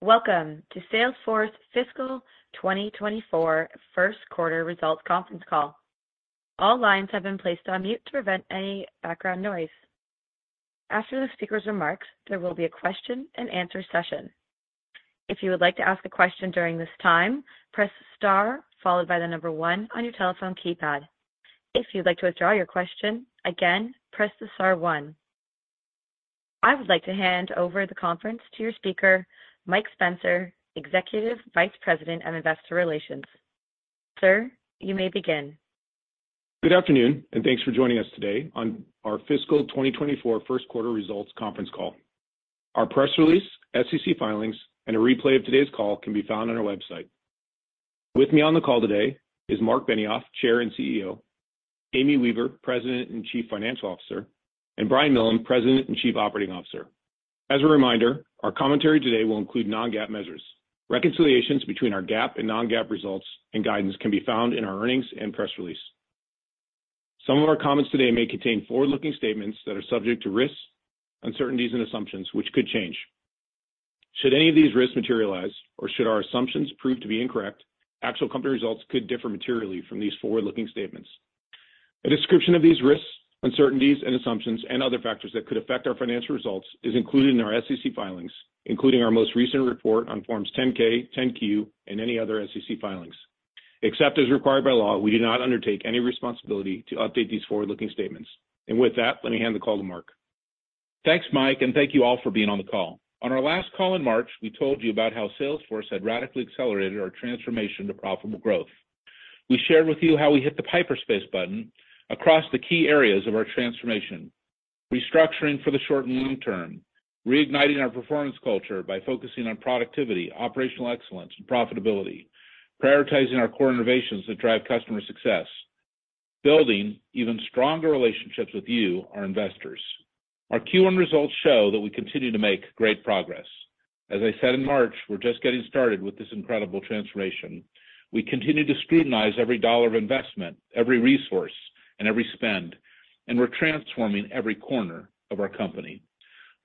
Welcome to Salesforce Fiscal 2024 Q1 Results Conference Call. All lines have been placed on mute to prevent any background noise. After the speaker's remarks, there will be a question-and-answer session. If you would like to ask a question during this time, press star followed by one on your telephone keypad. If you'd like to withdraw your question, again, press the star one. I would like to hand over the conference to your speaker, Mike Spencer, Executive Vice President of Investor Relations. Sir, you may begin. Good afternoon, and thanks for joining us today on our Fiscal 2024 Q1 Results conference call. Our press release, SEC filings, and a replay of today's call can be found on our website. With me on the call today is Marc Benioff, Chair and CEO, Amy Weaver, President and Chief Financial Officer, and Brian Millham, President and Chief Operating Officer. As a reminder, our commentary today will include non-GAAP measures. Reconciliations between our GAAP and non-GAAP results and guidance can be found in our earnings and press release. Some of our comments today may contain forward-looking statements that are subject to risks, uncertainties, and assumptions, which could change. Should any of these risks materialize or should our assumptions prove to be incorrect, actual company results could differ materially from these forward-looking statements. A description of these risks, uncertainties, and assumptions, and other factors that could affect our financial results is included in our SEC filings, including our most recent report on Forms 10-K, 10-Q, and any other SEC filings. Except as required by law, we do not undertake any responsibility to update these forward-looking statements. With that, let me hand the call to Marc. Thanks, Mike, and thank you all for being on the call. On our last call in March, we told you about how Salesforce had radically accelerated our transformation to profitable growth. We shared with you how we hit the pause button across the key areas of our transformation, restructuring for the short and long term, reigniting our performance culture by focusing on productivity, operational excellence, and profitability, prioritizing our core innovations that drive customer success, building even stronger relationships with you, our investors. Our Q1 results show that we continue to make great progress. As I said in March, we're just getting started with this incredible transformation. We continue to scrutinize every dollar of investment, every resource, and every spend. We're transforming every corner of our company.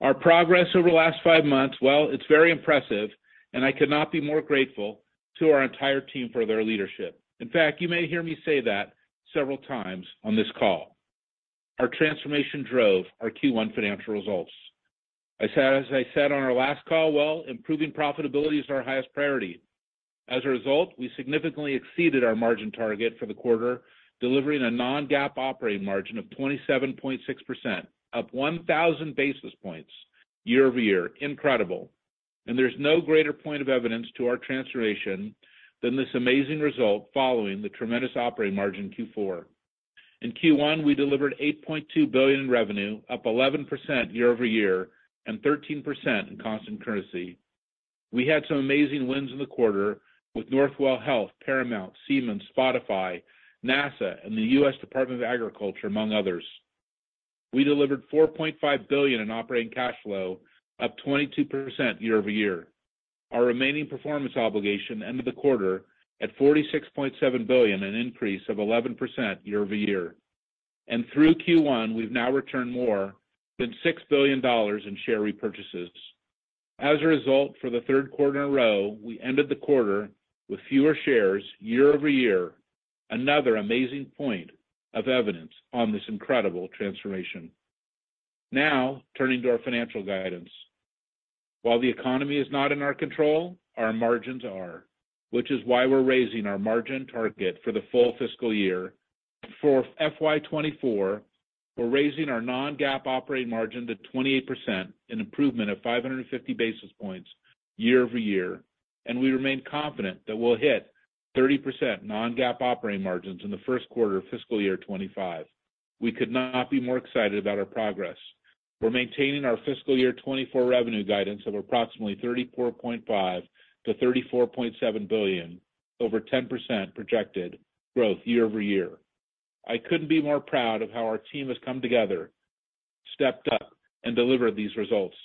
Our progress over the last five months, well, it's very impressive. I could not be more grateful to our entire team for their leadership. In fact, you may hear me say that several times on this call. Our transformation drove our Q1 financial results. As I said on our last call, well, improving profitability is our highest priority. As a result, we significantly exceeded our margin target for the quarter, delivering a non-GAAP operating margin of 27.6%, up 1,000 basis points year-over-year. Incredible. There's no greater point of evidence to our transformation than this amazing result following the tremendous operating margin in Q4. In Q1, we delivered $8.2 billion in revenue, up 11% year-over-year and 13% in constant currency. We had some amazing wins in the quarter with Northwell Health, Paramount, Siemens, Spotify, NASA, and the U.S. Department of Agriculture, among others. We delivered $4.5 billion in operating cash flow, up 22% year-over-year. Our remaining performance obligation ended the quarter at $46.7 billion, an increase of 11% year-over-year. Through Q1, we've now returned more than $6 billion in share repurchases. As a result, for the third quarter in a row, we ended the quarter with fewer shares year-over-year. Another amazing point of evidence on this incredible transformation. Now, turning to our financial guidance. While the economy is not in our control, our margins are, which is why we're raising our margin target for the full fiscal year. For FY 2024, we're raising our non-GAAP operating margin to 28%, an improvement of 550 basis points year-over-year, and we remain confident that we'll hit 30% non-GAAP operating margins in the Q1 of fiscal year 2025. We could not be more excited about our progress. We're maintaining our fiscal year 2024 revenue guidance of approximately $34.5 billion-$34.7 billion, over 10% projected growth year-over-year. I couldn't be more proud of how our team has come together, stepped up, and delivered these results.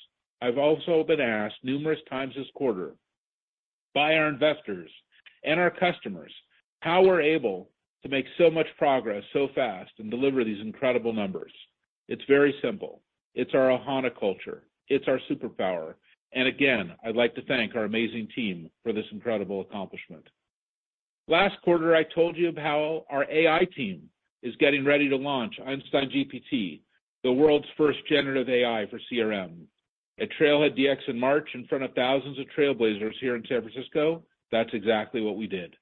I've also been asked numerous times this quarter by our investors and our customers, how we're able to make so much progress so fast and deliver these incredible numbers? It's very simple. It's our Ohana culture. It's our superpower. Again, I'd like to thank our amazing team for this incredible accomplishment. Last quarter, I told you how our AI team is getting ready to launch Einstein GPT, the world's first generative AI for CRM. At Trailhead DX in March, in front of thousands of trailblazers here in San Francisco, that's exactly what we did.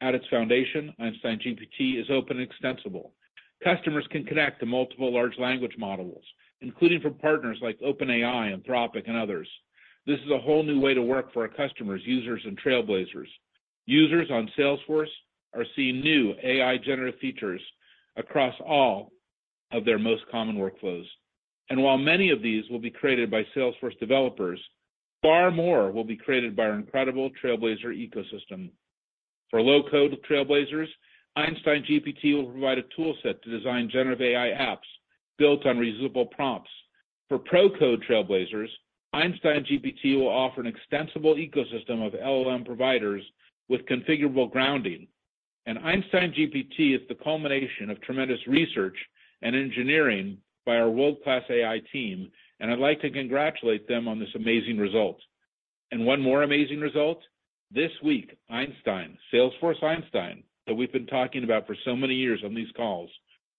At its foundation, Einstein GPT is open and extensible. Customers can connect to multiple large language models, including from partners like OpenAI, Anthropic, and others. This is a whole new way to work for our customers, users, and trailblazers. Users on Salesforce are seeing new AI-generative features across all of their most common workflows. While many of these will be created by Salesforce developers, far more will be created by our incredible Trailblazer ecosystem. For low-code with Trailblazers, Einstein GPT will provide a toolset to design generative AI apps built on reusable prompts. For pro code Trailblazers, Einstein GPT will offer an extensible ecosystem of LLM providers with configurable grounding. Einstein GPT is the culmination of tremendous research and engineering by our world-class AI team, and I'd like to congratulate them on this amazing result. One more amazing result, this week, Einstein, Salesforce Einstein, that we've been talking about for so many years on these calls,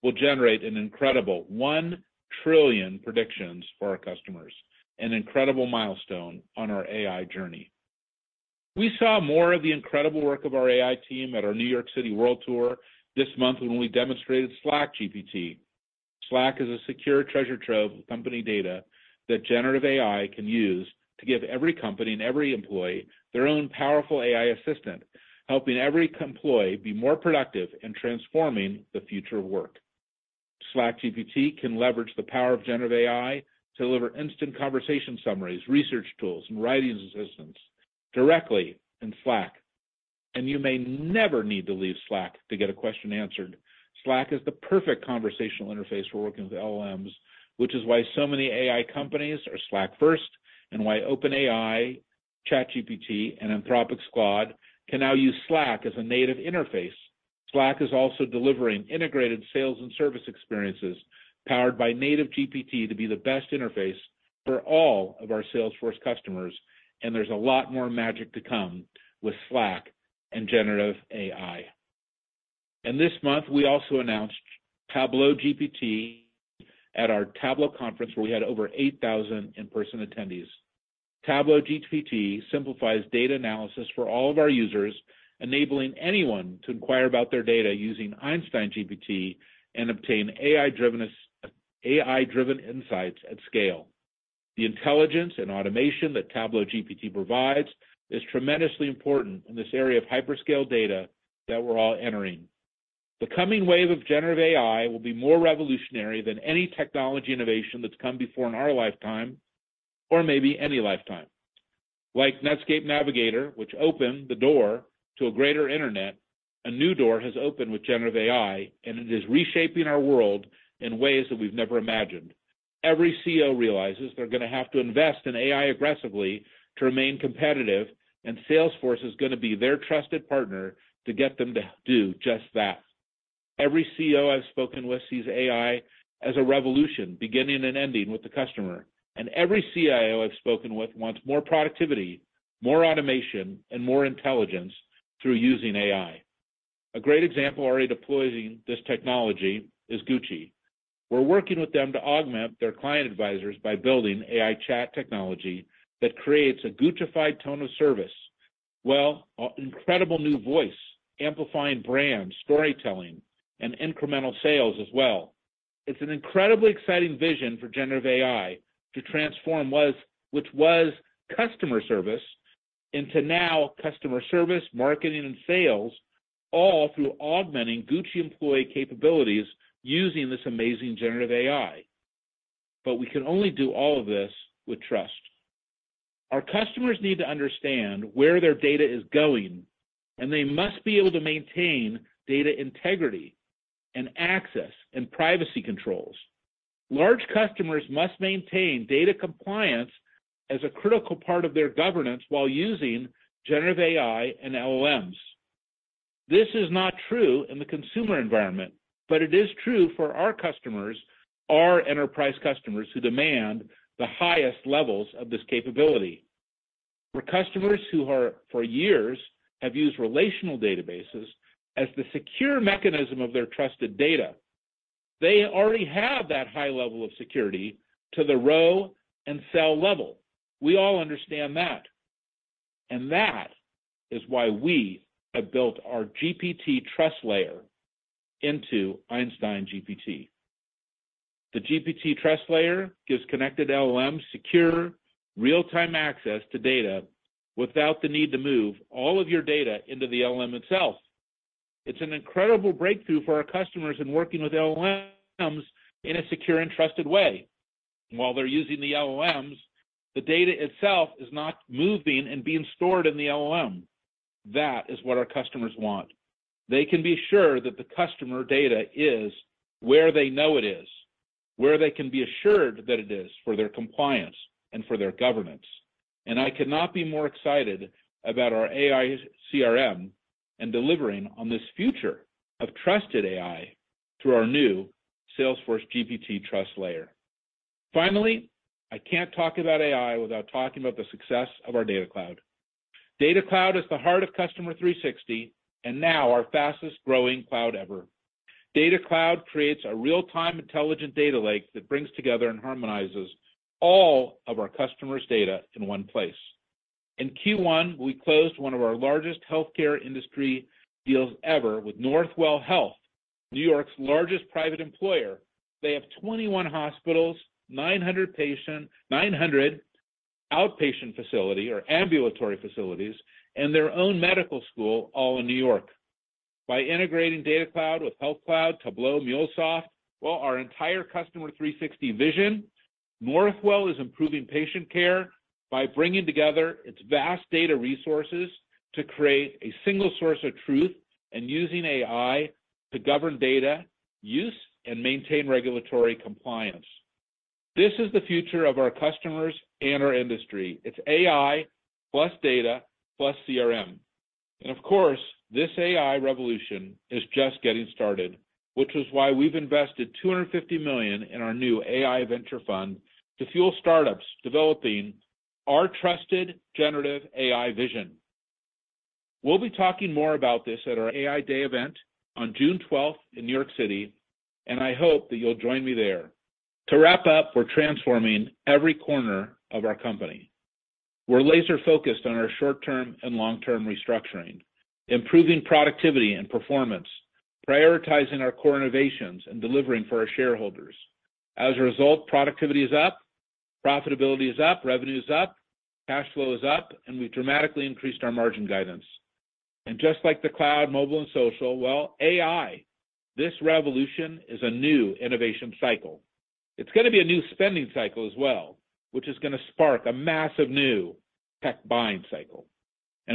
will generate an incredible 1 trillion predictions for our customers, an incredible milestone on our AI journey. We saw more of the incredible work of our AI team at our New York City World Tour this month when we demonstrated Slack GPT. Slack is a secure treasure trove of company data that generative AI can use to give every company and every employee their own powerful AI assistant, helping every employee be more productive in transforming the future of work. Slack GPT can leverage the power of generative AI to deliver instant conversation summaries, research tools, and writing assistance directly in Slack, you may never need to leave Slack to get a question answered. Slack is the perfect conversational interface for working with LLMs, which is why so many AI companies are Slack first, why OpenAI, ChatGPT, and Anthropic Squad can now use Slack as a native interface. Slack is also delivering integrated sales and service experiences powered by native GPT to be the best interface for all of our Salesforce customers, there's a lot more magic to come with Slack and generative AI. This month, we also announced Tableau GPT at our Tableau conference, where we had over 8,000 in-person attendees. Tableau GPT simplifies data analysis for all of our users, enabling anyone to inquire about their data using Einstein GPT and obtain AI-driven insights at scale. The intelligence and automation that Tableau GPT provides is tremendously important in this area of hyperscale data that we're all entering. The coming wave of generative AI will be more revolutionary than any technology innovation that's come before in our lifetime, or maybe any lifetime. Like Netscape Navigator, which opened the door to a greater internet, a new door has opened with generative AI, and it is reshaping our world in ways that we've never imagined. Every CEO realizes they're gonna have to invest in AI aggressively to remain competitive. Salesforce is gonna be their trusted partner to get them to do just that. Every CEO I've spoken with sees AI as a revolution, beginning and ending with the customer. Every CIO I've spoken with wants more productivity, more automation, and more intelligence through using AI. A great example already deploying this technology is Gucci. We're working with them to augment their client advisors by building AI chat technology that creates a Gucci-fied tone of service, well, incredible new voice, amplifying brand, storytelling, and incremental sales as well. It's an incredibly exciting vision for generative AI to transform which was customer service into now customer service, marketing, and sales, all through augmenting Gucci employee capabilities using this amazing generative AI. We can only do all of this with trust. Our customers need to understand where their data is going, and they must be able to maintain data integrity and access and privacy controls. Large customers must maintain data compliance as a critical part of their governance while using generative AI and LLMs. This is not true in the consumer environment, but it is true for our customers, our enterprise customers, who demand the highest levels of this capability. For customers who are, for years, have used relational databases as the secure mechanism of their trusted data, they already have that high level of security to the row and cell level. We all understand that. That is why we have built our GPT Trust Layer into Einstein GPT. The GPT Trust Layer gives connected LLMs secure, real-time access to data without the need to move all of your data into the LLM itself. It's an incredible breakthrough for our customers in working with LLMs in a secure and trusted way. While they're using the LLMs, the data itself is not moving and being stored in the LLM. That is what our customers want. They can be sure that the customer data is where they know it is, where they can be assured that it is for their compliance and for their governance. I could not be more excited about our AI CRM and delivering on this future of trusted AI through our new Salesforce GPT Trust Layer. Finally, I can't talk about AI without talking about the success of our Data Cloud. Data Cloud is the heart of Customer 360, and now our fastest-growing cloud ever. Data Cloud creates a real-time intelligent data lake that brings together and harmonizes all of our customers' data in one place. In Q1, we closed one of our largest healthcare industry deals ever with Northwell Health, New York's largest private employer. They have 21 hospitals, 900 outpatient facility or ambulatory facilities, and their own medical school, all in New York. By integrating Data Cloud with Health Cloud, Tableau, MuleSoft, well, our entire Customer 360 vision, Northwell is improving patient care by bringing together its vast data resources to create a single source of truth and using AI to govern data use and maintain regulatory compliance. This is the future of our customers and our industry. It's AI, plus data, plus CRM. Of course, this AI revolution is just getting started, which is why we've invested $250 million in our new AI venture fund to fuel startups developing our trusted generative AI vision. We'll be talking more about this at our AI Day event on June 12th in New York City. I hope that you'll join me there. To wrap up, we're transforming every corner of our company. We're laser-focused on our short-term and long-term restructuring, improving productivity and performance, prioritizing our core innovations, and delivering for our shareholders. As a result, productivity is up, profitability is up, revenue is up, cash flow is up, and we've dramatically increased our margin guidance. Just like the cloud, mobile, and social, well, AI, this revolution is a new innovation cycle. It's gonna be a new spending cycle as well, which is gonna spark a massive new tech buying cycle.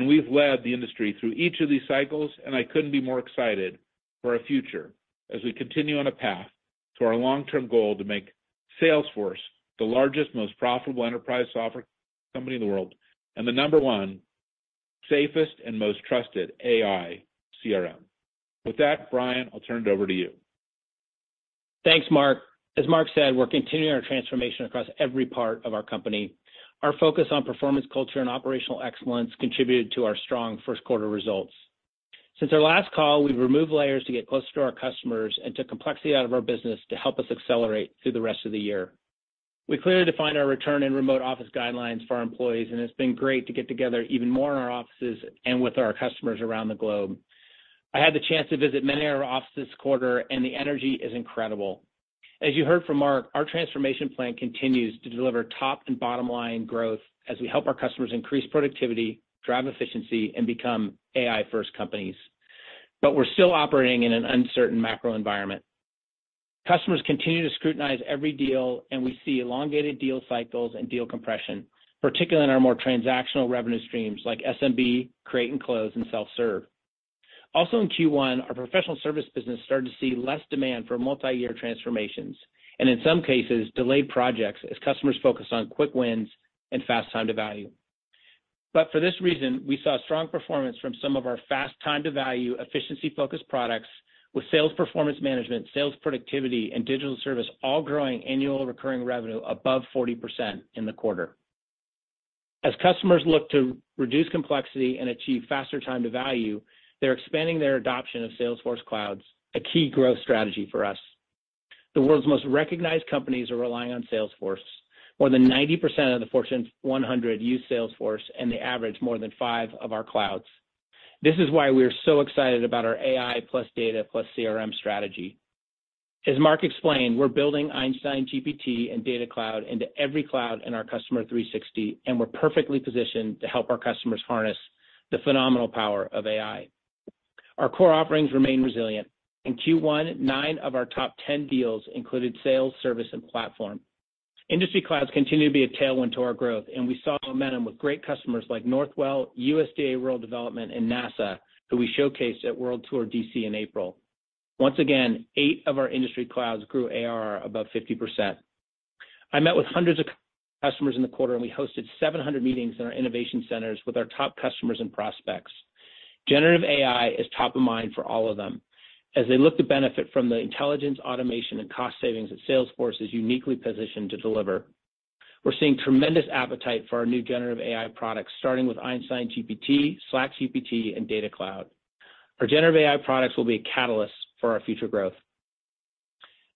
We've led the industry through each of these cycles, and I couldn't be more excited for our future as we continue on a path to our long-term goal to make Salesforce the largest, most profitable enterprise software company in the world, and the number one safest and most trusted AI CRM. With that, Brian, I'll turn it over to you. Thanks, Marc. As Marc said, we're continuing our transformation across every part of our company. Our focus on performance culture and operational excellence contributed to our strong Q1 results. Since our last call, we've removed layers to get closer to our customers and took complexity out of our business to help us accelerate through the rest of the year. We clearly defined our return and remote office guidelines for our employees, and it's been great to get together even more in our offices and with our customers around the globe. I had the chance to visit many of our offices this quarter, and the energy is incredible. As you heard from Marc, our transformation plan continues to deliver top and bottom-line growth as we help our customers increase productivity, drive efficiency, and become AI-first companies. We're still operating in an uncertain macro environment. Customers continue to scrutinize every deal, and we see elongated deal cycles and deal compression, particularly in our more transactional revenue streams like SMB, Create and Close, and Self Serve. Also, in Q1, our professional service business started to see less demand for multi-year transformations, and in some cases, delayed projects as customers focus on quick wins and fast time to value. For this reason, we saw strong performance from some of our fast time to value, efficiency-focused products, with sales performance management, sales productivity, and digital service all growing annual recurring revenue above 40% in the quarter. As customers look to reduce complexity and achieve faster time to value, they're expanding their adoption of Salesforce clouds, a key growth strategy for us. The world's most recognized companies are relying on Salesforce. More than 90% of the Fortune 100 use Salesforce. They average more than five of our clouds. This is why we are so excited about our AI plus data, plus CRM strategy. As Marc explained, we're building Einstein GPT and Data Cloud into every cloud in our Customer 360. We're perfectly positioned to help our customers harness the phenomenal power of AI. Our core offerings remain resilient. In Q1, nine of our top 10 deals included sales, service, and platform. Industry clouds continue to be a tailwind to our growth. We saw momentum with great customers like Northwell, USDA Rural Development, and NASA, who we showcased at World Tour D.C. in April. Once again, eight of our industry clouds grew ARR above 50%. I met with hundreds of customers in the quarter, and we hosted 700 meetings in our innovation centers with our top customers and prospects. Generative AI is top of mind for all of them as they look to benefit from the intelligence, automation, and cost savings that Salesforce is uniquely positioned to deliver. We're seeing tremendous appetite for our new generative AI products, starting with Einstein GPT, Slack GPT, and Data Cloud. Our generative AI products will be a catalyst for our future growth.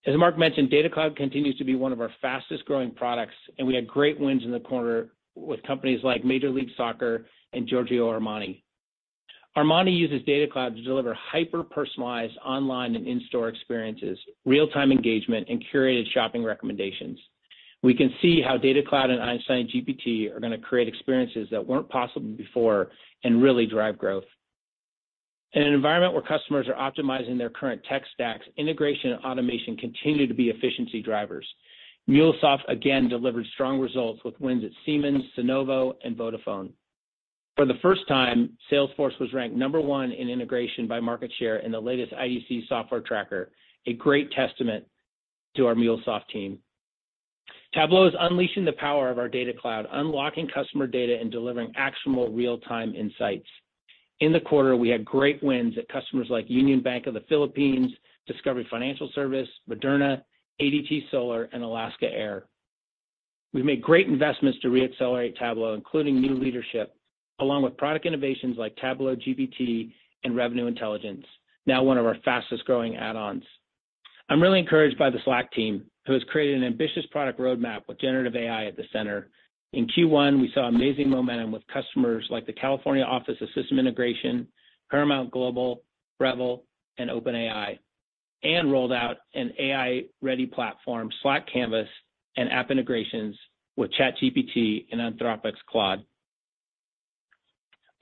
As Marc mentioned, Data Cloud continues to be one of our fastest-growing products, and we had great wins in the quarter with companies like Major League Soccer and Giorgio Armani. Armani uses Data Cloud to deliver hyper-personalized online and in-store experiences, real-time engagement, and curated shopping recommendations. We can see how Data Cloud and Einstein GPT are gonna create experiences that weren't possible before and really drive growth. In an environment where customers are optimizing their current tech stacks, integration and automation continue to be efficiency drivers. MuleSoft again delivered strong results with wins at Siemens, Sunnova, and Vodafone. For the first time, Salesforce was ranked number one in integration by market share in the latest IDC Software Tracker, a great testament to our MuleSoft team. Tableau is unleashing the power of our Data Cloud, unlocking customer data, and delivering actionable real-time insights. In the quarter, we had great wins at customers like Union Bank of the Philippines, Discovery Financial Service, Moderna, ADT Solar, and Alaska Air. We've made great investments to reaccelerate Tableau, including new leadership, along with product innovations like Tableau, GPT, and Revenue Intelligence, now one of our fastest-growing add-ons. I'm really encouraged by the Slack team, who has created an ambitious product roadmap with generative AI at the center. In Q1, we saw amazing momentum with customers like the California Office of Systems Integration, Paramount Global, Revel, and OpenAI, and rolled out an AI-ready platform, Slack Canvas, and app integrations with ChatGPT and Anthropic's Claude.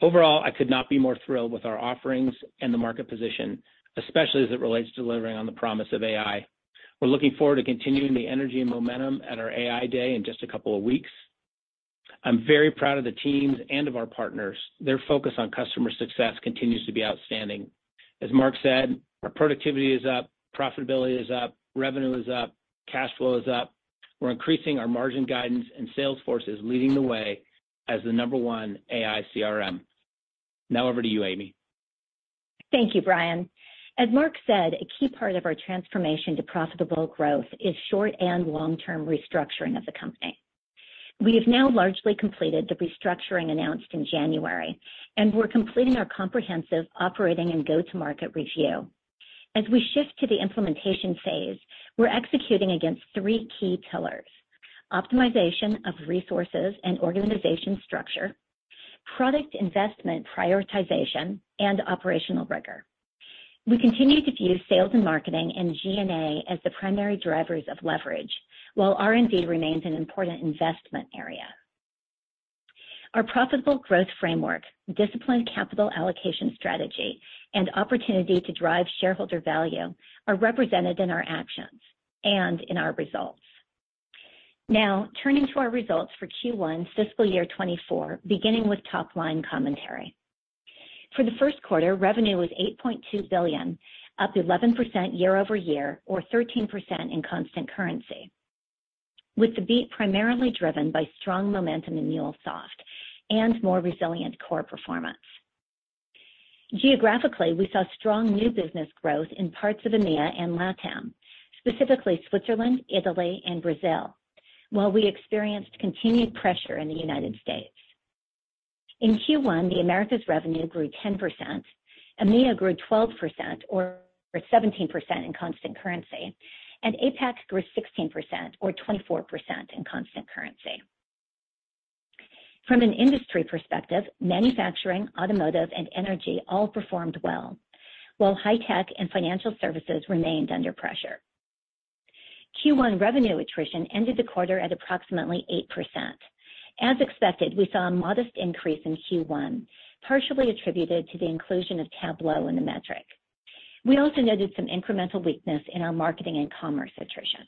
Overall, I could not be more thrilled with our offerings and the market position, especially as it relates to delivering on the promise of AI. We're looking forward to continuing the energy and momentum at our AI day in just a couple of weeks. I'm very proud of the teams and of our partners. Their focus on customer success continues to be outstanding. As Marc said, our productivity is up, profitability is up, revenue is up, cash flow is up. We're increasing our margin guidance, and Salesforce is leading the way as the number one AI CRM. Now over to you, Amy. Thank you, Brian. As Marc said, a key part of our transformation to profitable growth is short and long-term restructuring of the company. We have now largely completed the restructuring announced in January, and we're completing our comprehensive operating and go-to-market review. As we shift to the implementation phase, we're executing against three key pillars: optimization of resources and organization structure, product investment prioritization, and operational rigor. We continue to view sales and marketing and G&A as the primary drivers of leverage, while R&D remains an important investment area. Our profitable growth framework, disciplined capital allocation strategy, and opportunity to drive shareholder value are represented in our actions and in our results. Now, turning to our results for Q1 fiscal year 2024, beginning with top-line commentary. For the Q1, revenue was $8.2 billion, up 11% year-over-year, or 13% in constant currency, with the beat primarily driven by strong momentum in MuleSoft and more resilient core performance. Geographically, we saw strong new business growth in parts of EMEA and LATAM, specifically Switzerland, Italy, and Brazil, while we experienced continued pressure in the United States. In Q1, the Americas revenue grew 10%, EMEA grew 12%, or 17% in constant currency, and APAC grew 16%, or 24% in constant currency. From an industry perspective, manufacturing, automotive, and energy all performed well, while high tech and financial services remained under pressure. Q1 revenue attrition ended the quarter at approximately 8%. As expected, we saw a modest increase in Q1, partially attributed to the inclusion of Tableau in the metric. We also noted some incremental weakness in our marketing and commerce attrition.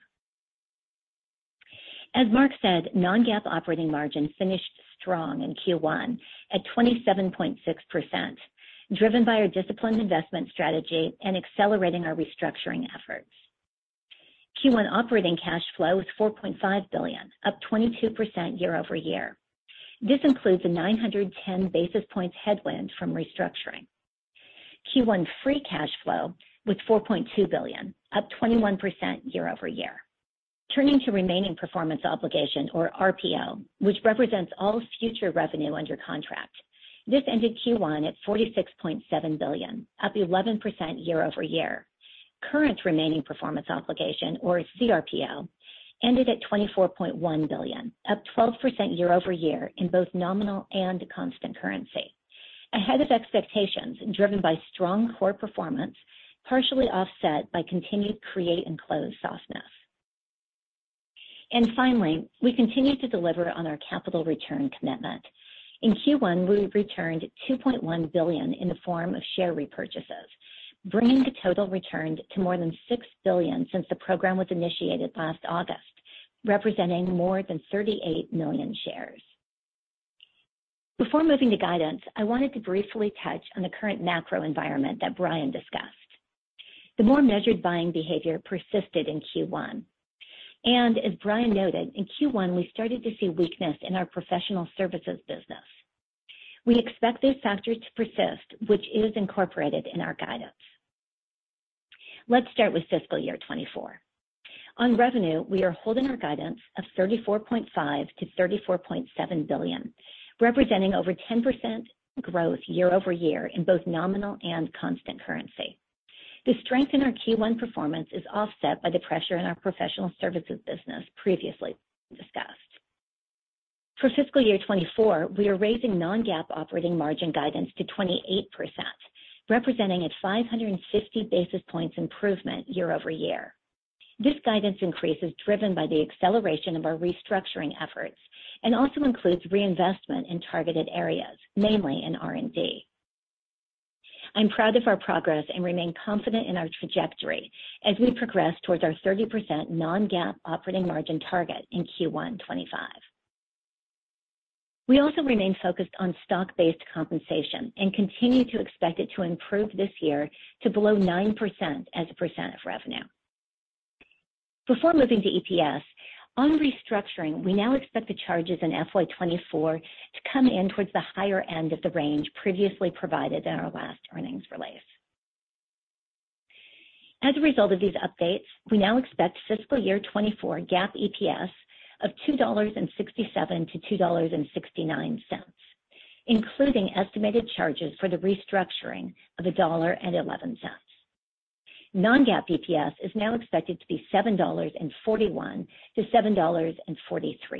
As Marc said, non-GAAP operating margin finished strong in Q1 at 27.6%, driven by our disciplined investment strategy and accelerating our restructuring efforts. Q1 operating cash flow was $4.5 billion, up 22% year-over-year. This includes a 910 basis points headwind from restructuring. Q1 free cash flow was $4.2 billion, up 21% year-over-year. Turning to remaining performance obligation, or RPO, which represents all future revenue under contract. This ended Q1 at $46.7 billion, up 11% year-over-year. Current remaining performance obligation, or cRPO, ended at $24.1 billion, up 12% year-over-year in both nominal and constant currency, ahead of expectations and driven by strong core performance, partially offset by continued create and close softness. Finally, we continue to deliver on our capital return commitment. In Q1, we returned $2.1 billion in the form of share repurchases, bringing the total returned to more than $6 billion since the program was initiated last August, representing more than 38,000,000 shares. Before moving to guidance, I wanted to briefly touch on the current macro environment that Brian discussed. The more measured buying behavior persisted in Q1. As Brian noted, in Q1, we started to see weakness in our professional services business. We expect this factor to persist, which is incorporated in our guidance. Let's start with fiscal year 2024. On revenue, we are holding our guidance of $34.5 billion-$34.7 billion, representing over 10% growth year-over-year in both nominal and constant currency. The strength in our Q1 performance is offset by the pressure in our professional services business previously discussed. For fiscal year 2024, we are raising non-GAAP operating margin guidance to 28%, representing a 550 basis points improvement year-over-year. This guidance increase is driven by the acceleration of our restructuring efforts and also includes reinvestment in targeted areas, mainly in R&D. I'm proud of our progress and remain confident in our trajectory as we progress towards our 30% non-GAAP operating margin target in Q1 2025. We also remain focused on stock-based compensation and continue to expect it to improve this year to below 9% as a percent of revenue. Before moving to EPS, on restructuring, we now expect the charges in FY 2024 to come in towards the higher end of the range previously provided in our last earnings release. As a result of these updates, we now expect fiscal year 2024 GAAP EPS of $2.67-$2.69, including estimated charges for the restructuring of $1.11. Non-GAAP EPS is now expected to be $7.41-$7.43.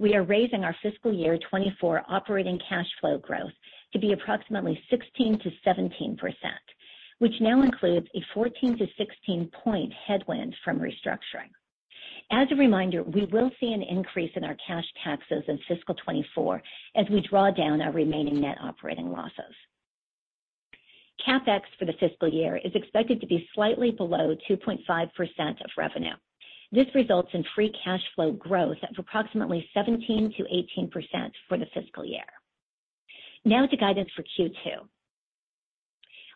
We are raising our fiscal year 2024 operating cash flow growth to be approximately 16%-17%, which now includes a 14-16 point headwind from restructuring. As a reminder, we will see an increase in our cash taxes in fiscal 2024 as we draw down our remaining net operating losses. CapEx for the fiscal year is expected to be slightly below 2.5% of revenue. This results in free cash flow growth of approximately 17%-18% for the fiscal year. Now to guidance for Q2.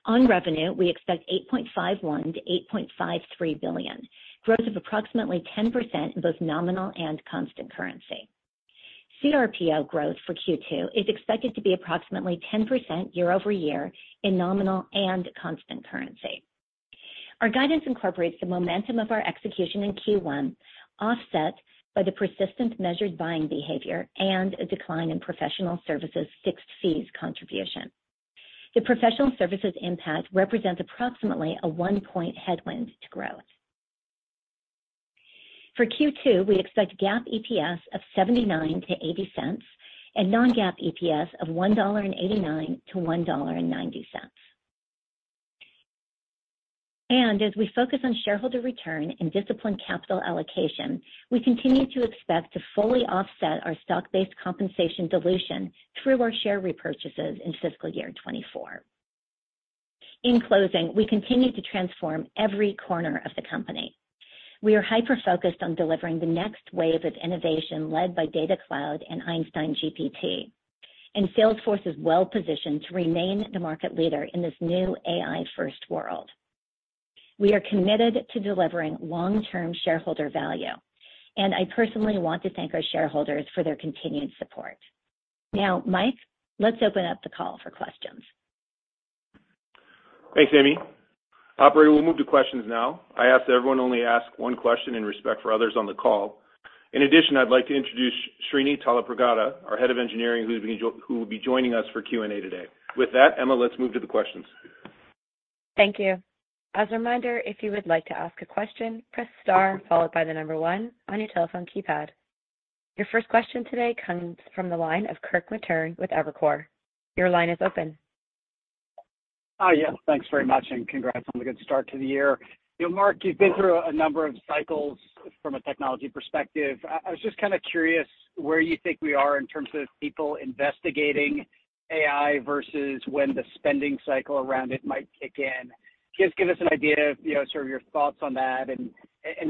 On revenue, we expect $8.51 billion-$8.53 billion, growth of approximately 10% in both nominal and constant currency, cRPO growth for Q2 is expected to be approximately 10% year-over-year in nominal and constant currency. Our guidance incorporates the momentum of our execution in Q1, offset by the persistent measured buying behavior and a decline in professional services fixed fees contribution. The professional services impact represents approximately a 1-point headwind to growth. For Q2, we expect GAAP EPS of $0.79-$0.80 and non-GAAP EPS of $1.89-$1.90. As we focus on shareholder return and disciplined capital allocation, we continue to expect to fully offset our stock-based compensation dilution through our share repurchases in fiscal year 2024. In closing, we continue to transform every corner of the company. We are hyper-focused on delivering the next wave of innovation led by Data Cloud and Einstein GPT. Salesforce is well positioned to remain the market leader in this new AI-first world. We are committed to delivering long-term shareholder value. I personally want to thank our shareholders for their continued support. Now, Mike, let's open up the call for questions. Thanks, Amy. Operator, we'll move to questions now. I ask that everyone only ask one question in respect for others on the call. In addition, I'd like to introduce Srini Tallapragada, our head of engineering, who will be joining us for Q&A today. With that, Emma, let's move to the questions. Thank you. As a reminder, if you would like to ask a question, press star followed by one on your telephone keypad. Your first question today comes from the line of Kirk Materne with Evercore. Your line is open. Hi, yeah, thanks very much, and congrats on the good start to the year. You know, Marc, you've been through a number of cycles from a technology perspective. I was just kind of curious where you think we are in terms of people investigating AI versus when the spending cycle around it might kick in. Just give us an idea of, you know, sort of your thoughts on that and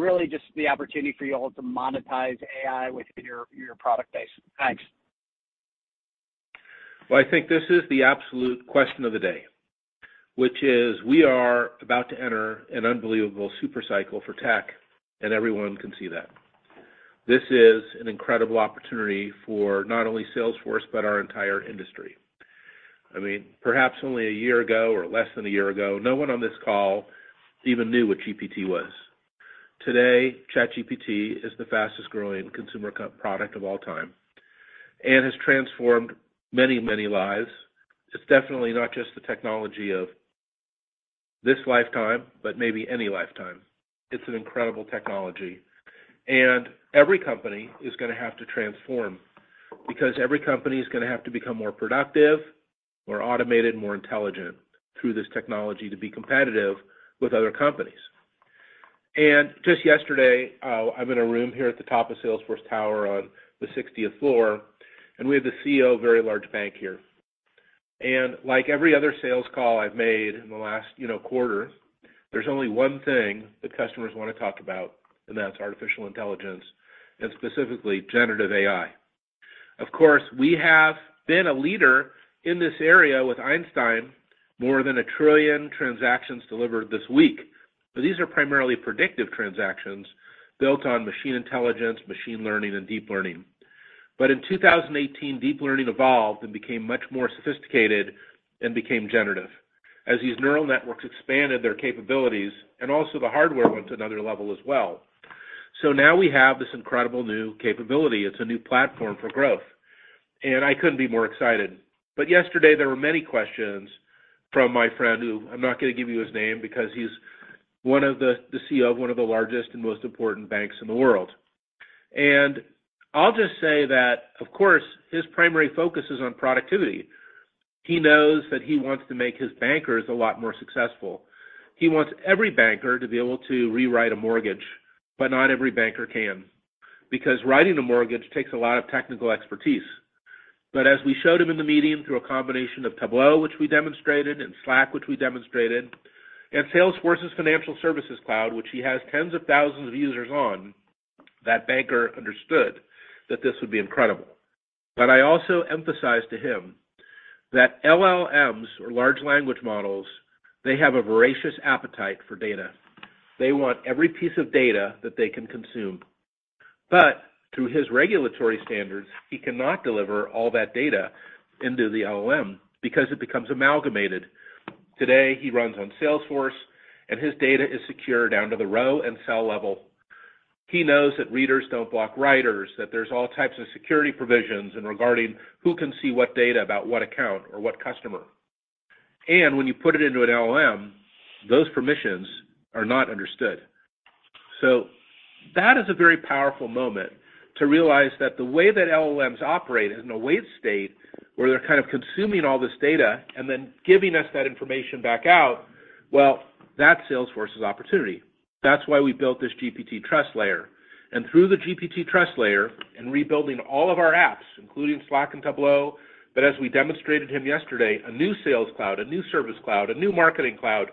really just the opportunity for you all to monetize AI within your product base. Thanks. Well, I think this is the absolute question of the day, which is we are about to enter an unbelievable super cycle for tech, and everyone can see that. This is an incredible opportunity for not only Salesforce, but our entire industry. I mean, perhaps only a year ago or less than a year ago, no one on this call even knew what GPT was. Today, ChatGPT is the fastest-growing consumer co- product of all time and has transformed many, many lives. It's definitely not just the technology of this lifetime, but maybe any lifetime. It's an incredible technology, and every company is gonna have to transform because every company is gonna have to become more productive, more automated, more intelligent through this technology to be competitive with other companies. Just yesterday, I'm in a room here at the top of Salesforce Tower on the 60th floor, and we had the CEO of a very large bank here. Like every other sales call I've made in the last, you know, quarter, there's only one thing that customers want to talk about, and that's artificial intelligence, and specifically, generative AI. Of course, we have been a leader in this area with Einstein, more than a trillion transactions delivered this week. These are primarily predictive transactions built on machine intelligence, machine learning, and deep learning. In 2018, deep learning evolved and became much more sophisticated and became generative as these neural networks expanded their capabilities, and also the hardware went to another level as well. Now we have this incredible new capability. It's a new platform for growth. I couldn't be more excited. Yesterday, there were many questions from my friend, who I'm not going to give you his name because he's one of the CEO of one of the largest and most important banks in the world. I'll just say that, of course, his primary focus is on productivity. He knows that he wants to make his bankers a lot more successful. He wants every banker to be able to rewrite a mortgage, but not every banker can, because writing a mortgage takes a lot of technical expertise. As we showed him in the meeting, through a combination of Tableau, which we demonstrated, and Slack, which we demonstrated, and Salesforce's Financial Services Cloud, which he has tens of thousands of users on, that banker understood that this would be incredible. I also emphasized to him that LLMs, or large language models, they have a voracious appetite for data. They want every piece of data that they can consume. Through his regulatory standards, he cannot deliver all that data into the LLM because it becomes amalgamated. Today, he runs on Salesforce, and his data is secure down to the row and cell level. He knows that readers don't block writers, that there's all types of security provisions in regarding who can see what data about what account or what customer. When you put it into an LLM, those permissions are not understood. That is a very powerful moment, to realize that the way that LLMs operate is in a wait state, where they're kind of consuming all this data and then giving us that information back out. That's Salesforce's opportunity. That's why we built this Einstein GPT Trust Layer. Through the Einstein GPT Trust Layer and rebuilding all of our apps, including Slack and Tableau, but as we demonstrated him yesterday, a new Sales Cloud, a new Service Cloud, a new Marketing Cloud,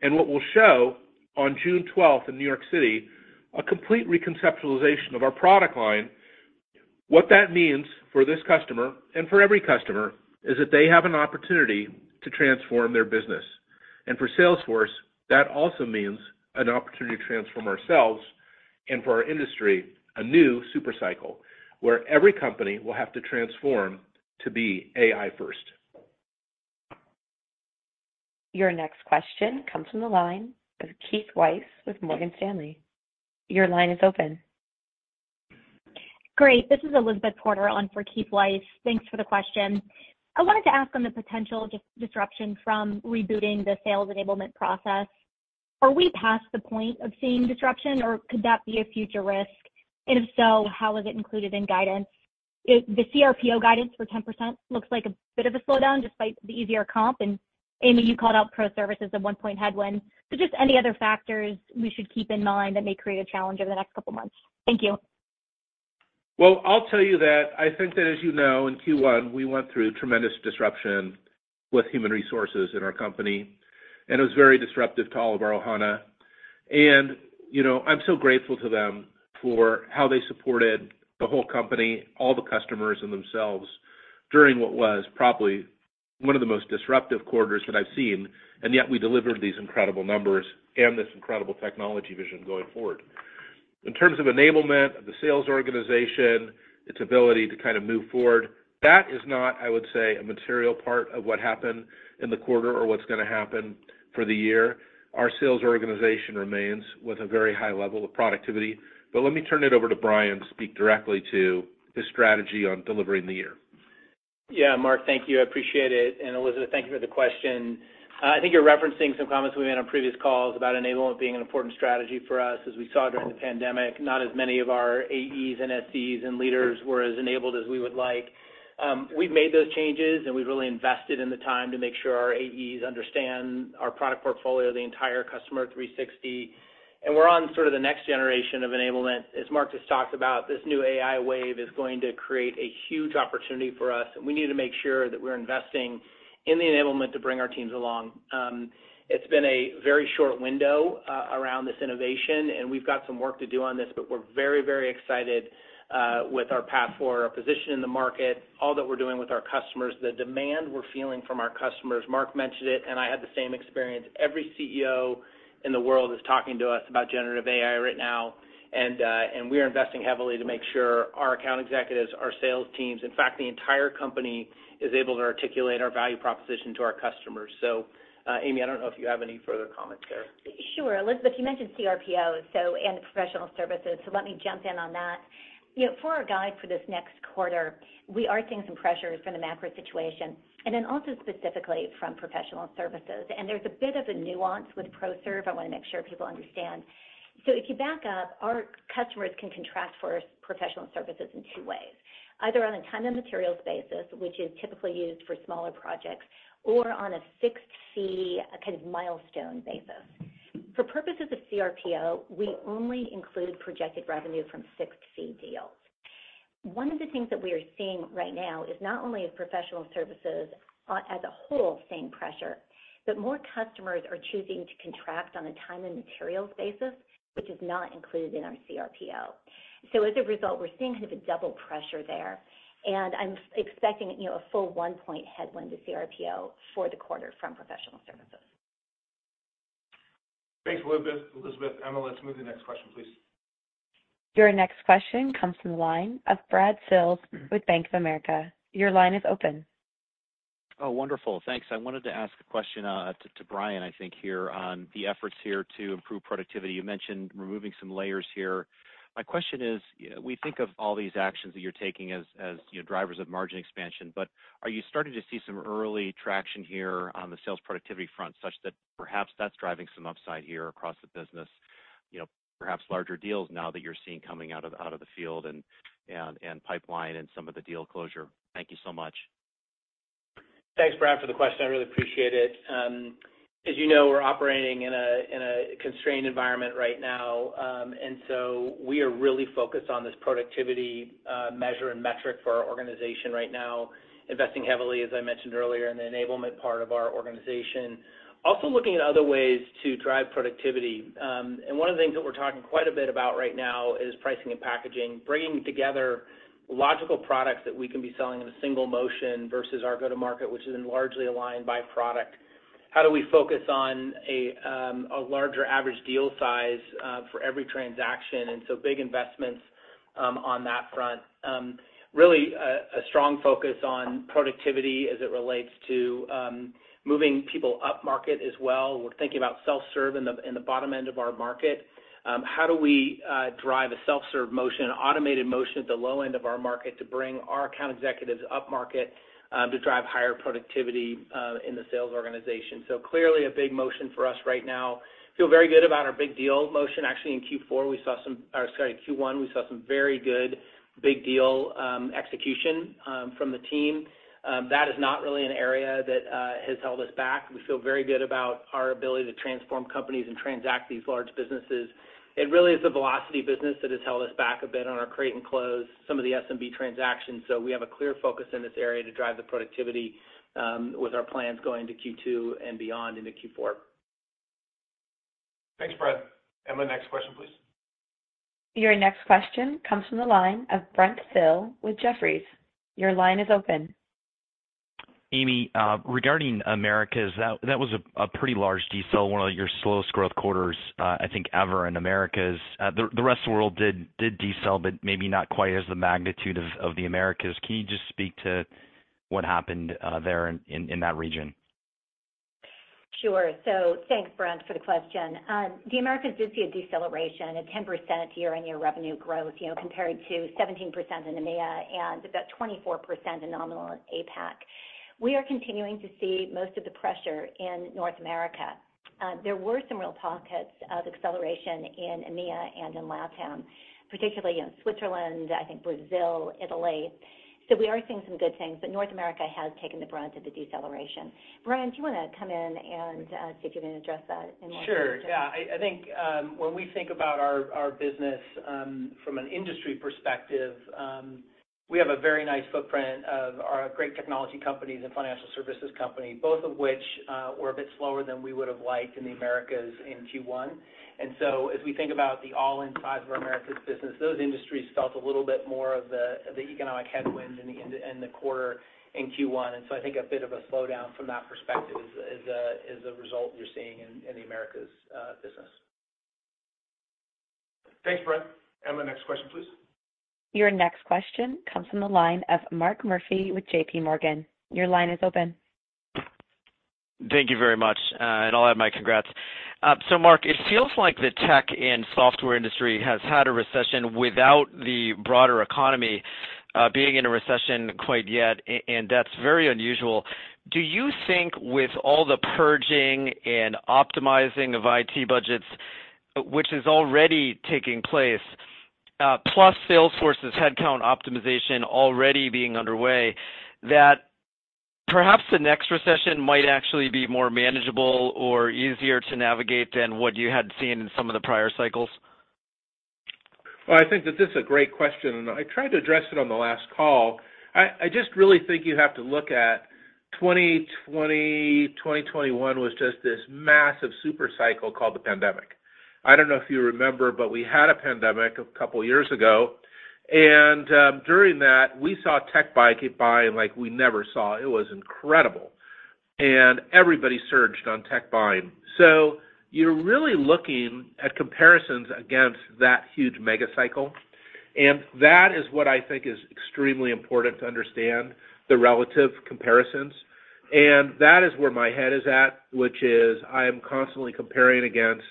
and what we'll show on June twelfth in New York City, a complete reconceptualization of our product line. What that means for this customer and for every customer, is that they have an opportunity to transform their business. For Salesforce, that also means an opportunity to transform ourselves and for our industry, a new super cycle, where every company will have to transform to be AI-first. Your next question comes from the line of Keith Weiss with Morgan Stanley. Your line is open. Great. This is Elizabeth Porter on for Keith Weiss. Thanks for the question. I wanted to ask on the potential disruption from rebooting the sales enablement process. Are we past the point of seeing disruption, or could that be a future risk? If so, how is it included in guidance? If the cRPO guidance for 10% looks like a bit of a slowdown despite the easier comp, Amy, you called out pro services at 1 point headwind. Just any other factors we should keep in mind that may create a challenge over the next couple of months? Thank you. Well, I'll tell you that I think that as you know, in Q1, we went through tremendous disruption with human resources in our company, and it was very disruptive to all of our Ohana. You know, I'm so grateful to them for how they supported the whole company, all the customers and themselves, during what was probably one of the most disruptive quarters that I've seen, and yet we delivered these incredible numbers and this incredible technology vision going forward. In terms of enablement of the sales organization, its ability to kind of move forward, that is not, I would say, a material part of what happened in the quarter or what's gonna happen for the year. Our sales organization remains with a very high level of productivity. Let me turn it over to Brian to speak directly to the strategy on delivering the year. Yeah, Marc, thank you. I appreciate it. Elizabeth, thank you for the question. I think you're referencing some comments we made on previous calls about enablement being an important strategy for us. As we saw during the pandemic, not as many of our AEs and SEs and leaders were as enabled as we would like. we've made those changes, and we've really invested in the time to make sure our AEs understand our product portfolio, the entire Customer 360, and we're on sort of the next generation of enablement. As Marc just talked about, this new AI wave is going to create a huge opportunity for us, and we need to make sure that we're investing in the enablement to bring our teams along. It's been a very short window around this innovation, and we've got some work to do on this, but we're very, very excited with our path for our position in the market, all that we're doing with our customers, the demand we're feeling from our customers. Marc mentioned it, and I had the same experience. Every CEO in the world is talking to us about generative AI right now, and we are investing heavily to make sure our account executives, our sales teams, in fact, the entire company is able to articulate our value proposition to our customers. Amy, I don't know if you have any further comments there. Sure. Elizabeth, you mentioned cRPO, and professional services, let me jump in on that. You know, for our guide for this next quarter, we are seeing some pressures from the macro situation, then also specifically from professional services. There's a bit of a nuance with pro serve. I want to make sure people understand. If you back up, our customers can contract for professional services in two ways, either on a time and materials basis, which is typically used for smaller projects, or on a fixed fee, a kind of milestone basis. For purposes of cRPO, we only include projected revenue from fixed fee deals. One of the things that we are seeing right now is not only is professional services, as a whole, seeing pressure, but more customers are choosing to contract on a time and materials basis, which is not included in our cRPO. As a result, we're seeing kind of a double pressure there. I'm expecting, you know, a full 1-point headwind to cRPO for the quarter from professional services. Thanks, Elizabeth. Elizabeth, Emma, let's move to the next question, please. Your next question comes from the line of Brad Sills with Bank of America. Your line is open. Oh, wonderful. Thanks. I wanted to ask a question to Brian, I think, here on the efforts here to improve productivity. You mentioned removing some layers here. My question is, we think of all these actions that you're taking as, you know, drivers of margin expansion, but are you starting to see some early traction here on the sales productivity front, such that perhaps that's driving some upside here across the business? You know, perhaps larger deals now that you're seeing coming out of the field and pipeline and some of the deal closure. Thank you so much. Thanks, Brad, for the question. I really appreciate it. As you know, we're operating in a constrained environment right now. We are really focused on this productivity measure and metric for our organization right now, investing heavily, as I mentioned earlier, in the enablement part of our organization. Also looking at other ways to drive productivity. One of the things that we're talking quite a bit about right now is pricing and packaging, bringing together logical products that we can be selling in a single motion versus our go-to-market, which is largely aligned by product. How do we focus on a larger average deal size for every transaction? Big investments on that front. Really a strong focus on productivity as it relates to moving people upmarket as well. We're thinking about self-serve in the bottom end of our market. How do we drive a self-serve motion, an automated motion at the low end of our market to bring our account executives upmarket to drive higher productivity in the sales organization? Clearly a big motion for us right now. Feel very good about our big deal motion. Actually, in Q1, we saw some very good big deal execution from the team. That is not really an area that has held us back. We feel very good about our ability to transform companies and transact these large businesses. It really is the velocity business that has held us back a bit on our create and close some of the SMB transactions. We have a clear focus in this area to drive the productivity, with our plans going to Q2 and beyond into Q4. Thanks, Brad. Emma next question, please. Your next question comes from the line of Brent Thill with Jefferies. Your line is open. Amy, regarding Americas, that was a pretty large decel, one of your slowest growth quarters, I think ever in Americas. The rest of the world did decel, but maybe not quite as the magnitude of the Americas. Can you just speak to what happened there in that region? Sure. Thanks, Brent, for the question. The Americas did see a deceleration of 10% at year-on-year revenue growth, you know, compared to 17% in EMEA and about 24% in nominal APAC. We are continuing to see most of the pressure in North America. There were some real pockets of acceleration in EMEA and in LATAM, particularly in Switzerland, I think Brazil, Italy. We are seeing some good things, but North America has taken the brunt of the deceleration. Brian, do you want to come in and see if you can address that in more detail? Sure. Yeah. I think, when we think about our business, from an industry perspective, we have a very nice footprint of our great technology companies and financial services company, both of which were a bit slower than we would have liked in the Americas in Q1. As we think about the all-in size of our Americas business, those industries felt a little bit more of the economic headwinds in the quarter in Q1. I think a bit of a slowdown from that perspective is the result you're seeing in the Americas business. Thanks, Brent. The next question, please. Your next question comes from the line of Mark Murphy with JPMorgan. Your line is open. Thank you very much, and I'll add my congrats. Marc, it feels like the tech and software industry has had a recession without the broader economy, being in a recession quite yet, and that's very unusual. Do you think with all the purging and optimizing of IT budgets, which is already taking place, plus Salesforce's headcount optimization already being underway, that perhaps the next recession might actually be more manageable or easier to navigate than what you had seen in some of the prior cycles? Well, I think that this is a great question, and I tried to address it on the last call. I just really think you have to look at 2020, 2021 was just this massive super cycle called the pandemic. I don't know if you remember, but we had a pandemic a couple of years ago. During that, we saw tech buying keep buying like we never saw. It was incredible. Everybody surged on tech buying. You're really looking at comparisons against that huge mega cycle. That is what I think is extremely important to understand, the relative comparisons. That is where my head is at, which is I am constantly comparing against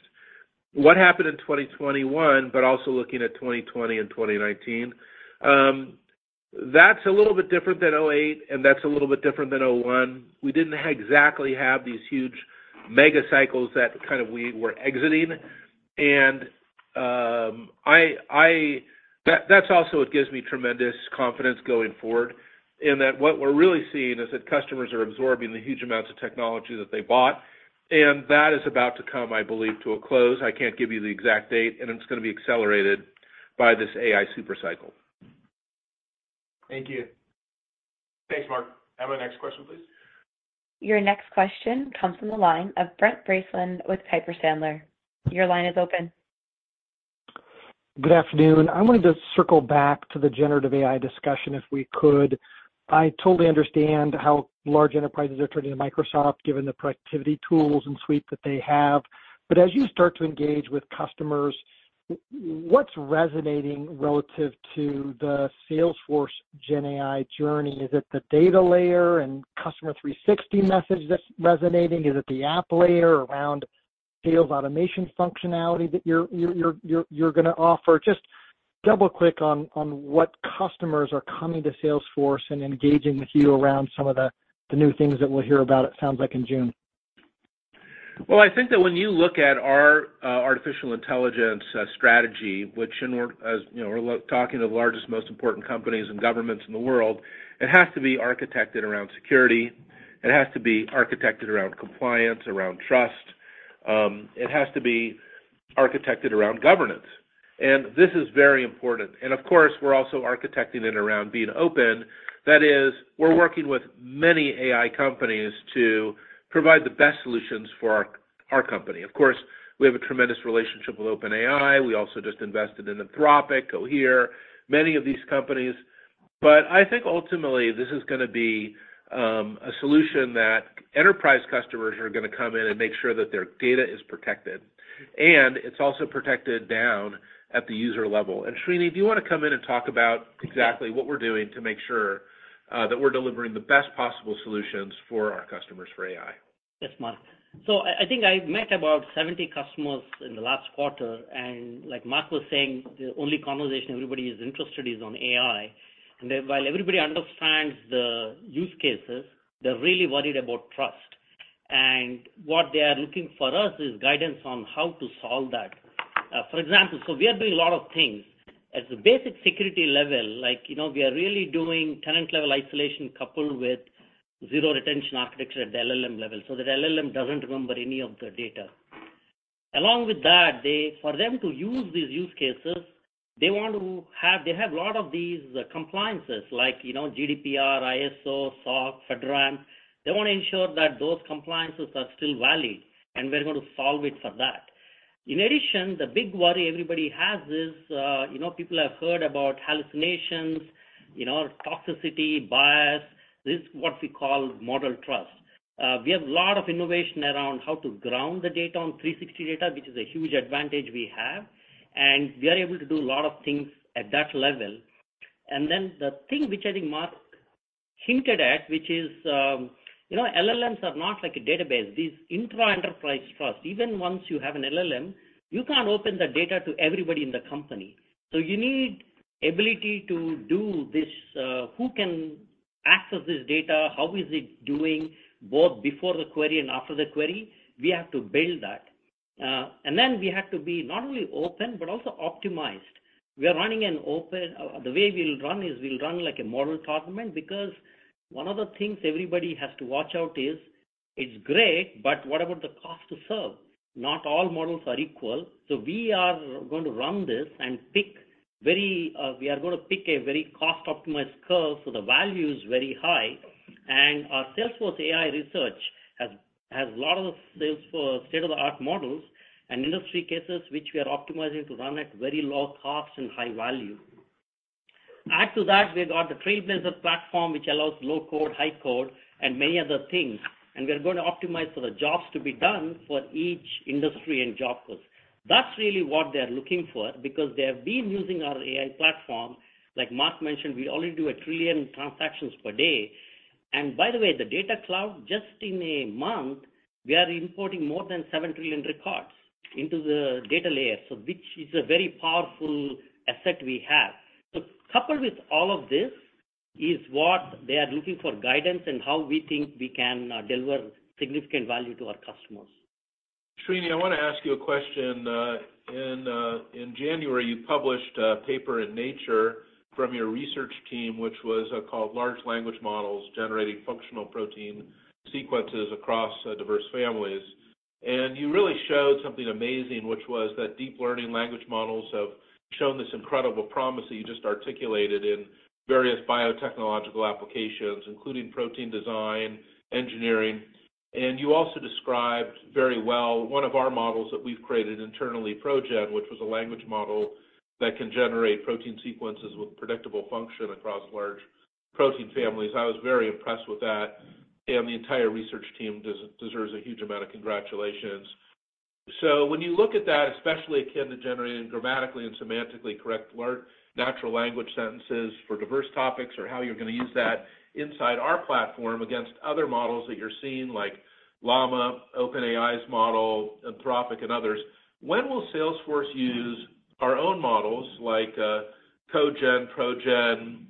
what happened in 2021, but also looking at 2020 and 2019. That's a little bit different than 2008, and that's a little bit different than 2001. We didn't exactly have these huge mega cycles that kind of we were exiting. That's also what gives me tremendous confidence going forward, in that what we're really seeing is that customers are absorbing the huge amounts of technology that they bought, and that is about to come, I believe, to a close. I can't give you the exact date. It's going to be accelerated by this AI super cycle. Thank you. Thanks, Mark. Emma next question, please. Your next question comes from the line of Brent Bracelin with Piper Sandler. Your line is open. Good afternoon. I wanted to circle back to the generative AI discussion, if we could. I totally understand how large enterprises are turning to Microsoft, given the productivity tools and suite that they have. As you start to engage with customers, what's resonating relative to the Salesforce GenAI journey? Is it the data layer and Customer 360 message that's resonating? Is it the app layer around sales automation functionality that you're going to offer? Just double-click on what customers are coming to Salesforce and engaging with you around some of the new things that we'll hear about, it sounds like in June. Well, I think that when you look at our artificial intelligence strategy, which, and we're, as you know, we're talking to the largest, most important companies and governments in the world, it has to be architected around security, it has to be architected around compliance, around trust, it has to be architected around governance. This is very important. Of course, we're also architecting it around being open. That is, we're working with many AI companies to provide the best solutions for our company. Of course, we have a tremendous relationship with OpenAI. We also just invested in Anthropic, Cohere, many of these companies. I think ultimately this is going to be a solution that enterprise customers are going to come in and make sure that their data is protected, and it's also protected down at the user level. Srini, do you want to come in and talk about exactly what we're doing to make sure that we're delivering the best possible solutions for our customers for AI? Yes, Marc. I think I met about 70 customers in the last quarter, and like Mark was saying, the only conversation everybody is interested is on AI. While everybody understands the use cases, they're really worried about trust. What they are looking for us is guidance on how to solve that. For example, we are doing a lot of things. At the basic security level, like, you know, we are really doing tenant-level isolation coupled with zero retention architecture at the LLM level, so that LLM doesn't remember any of the data. Along with that, for them to use these use cases, they have a lot of these compliances like, you know, GDPR, ISO, SOC, FedRAMP. They want to ensure that those compliances are still valid, and we're going to solve it for that. In addition, the big worry everybody has is, you know, people have heard about hallucinations, you know, toxicity, bias. This is what we call model trust. We have a lot of innovation around how to ground the data on 360 data, which is a huge advantage we have, and we are able to do a lot of things at that level. The thing which I think Marc hinted at, which is, you know, LLMs are not like a database. These intra-enterprise trust, even once you have an LLM, you can't open the data to everybody in the company. You need ability to do this, who can access this data? How is it doing, both before the query and after the query? We have to build that. We have to be not only open, but also optimized. We are running an open... The way we'll run is, we'll run like a model tournament, because one of the things everybody has to watch out is, it's great, but what about the cost to serve? Not all models are equal. We are going to run this and pick very, we are going to pick a very cost-optimized curve, so the value is very high. Our Salesforce AI research has a lot of Salesforce state-of-the-art models and industry cases, which we are optimizing to run at very low cost and high value. Add to that, we've got the Trailblazer platform, which allows low code, high code, and many other things, and we are going to optimize for the jobs to be done for each industry and job role. That's really what they're looking for because they have been using our AI platform. Like Marc mentioned, we only do a trillion transactions per day. The Data Cloud, just in a month, we are importing more than 7 trillion records into the data layer, which is a very powerful asset we have. Coupled with all of this, is what they are looking for guidance and how we think we can deliver significant value to our customers. Srini, I want to ask you a question. In January, you published a paper in Nature from your research team, which was called Large Language Models, Generating Functional Protein Sequences Across Diverse Families. You really showed something amazing, which was that deep learning language models have shown this incredible promise that you just articulated in various biotechnological applications, including protein design, engineering. You also described very well one of our models that we've created internally, ProGen, which was a language model that can generate protein sequences with predictable function across large protein families. I was very impressed with that, and the entire research team deserves a huge amount of congratulations. When you look at that, especially akin to generating grammatically and semantically correct large natural language sentences for diverse topics or how you're going to use that inside our platform against other models that you're seeing, like Llama, OpenAI's model, Anthropic, and others, when will Salesforce use our own models like CoGen, ProGen,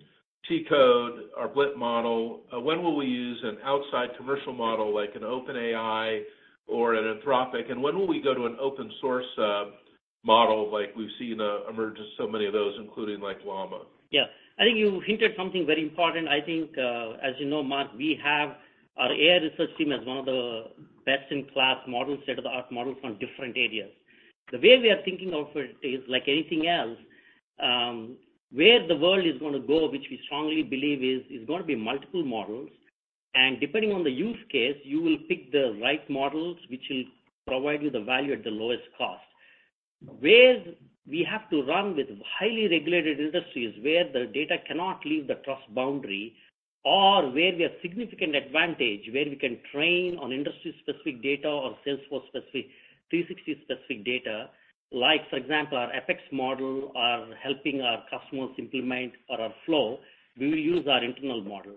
TCode, our Blip model? When will we use an outside commercial model like an OpenAI or an Anthropic, and when will we go to an open source model like we've seen emerge as so many of those, including like Llama? Yeah. I think you hinted something very important. I think, as you know, Marc, we have our AI research team as one of the best-in-class models, state-of-the-art models from different areas. The way we are thinking of it is like anything else, where the world is gonna go, which we strongly believe is gonna be multiple models, and depending on the use case, you will pick the right models, which will provide you the value at the lowest cost. Where we have to run with highly regulated industries, where the data cannot leave the trust boundary, or where we have significant advantage, where we can train on industry-specific data or Salesforce-specific, 360 specific data, like, for example, our FX model are helping our customers implement or our flow, we will use our internal model.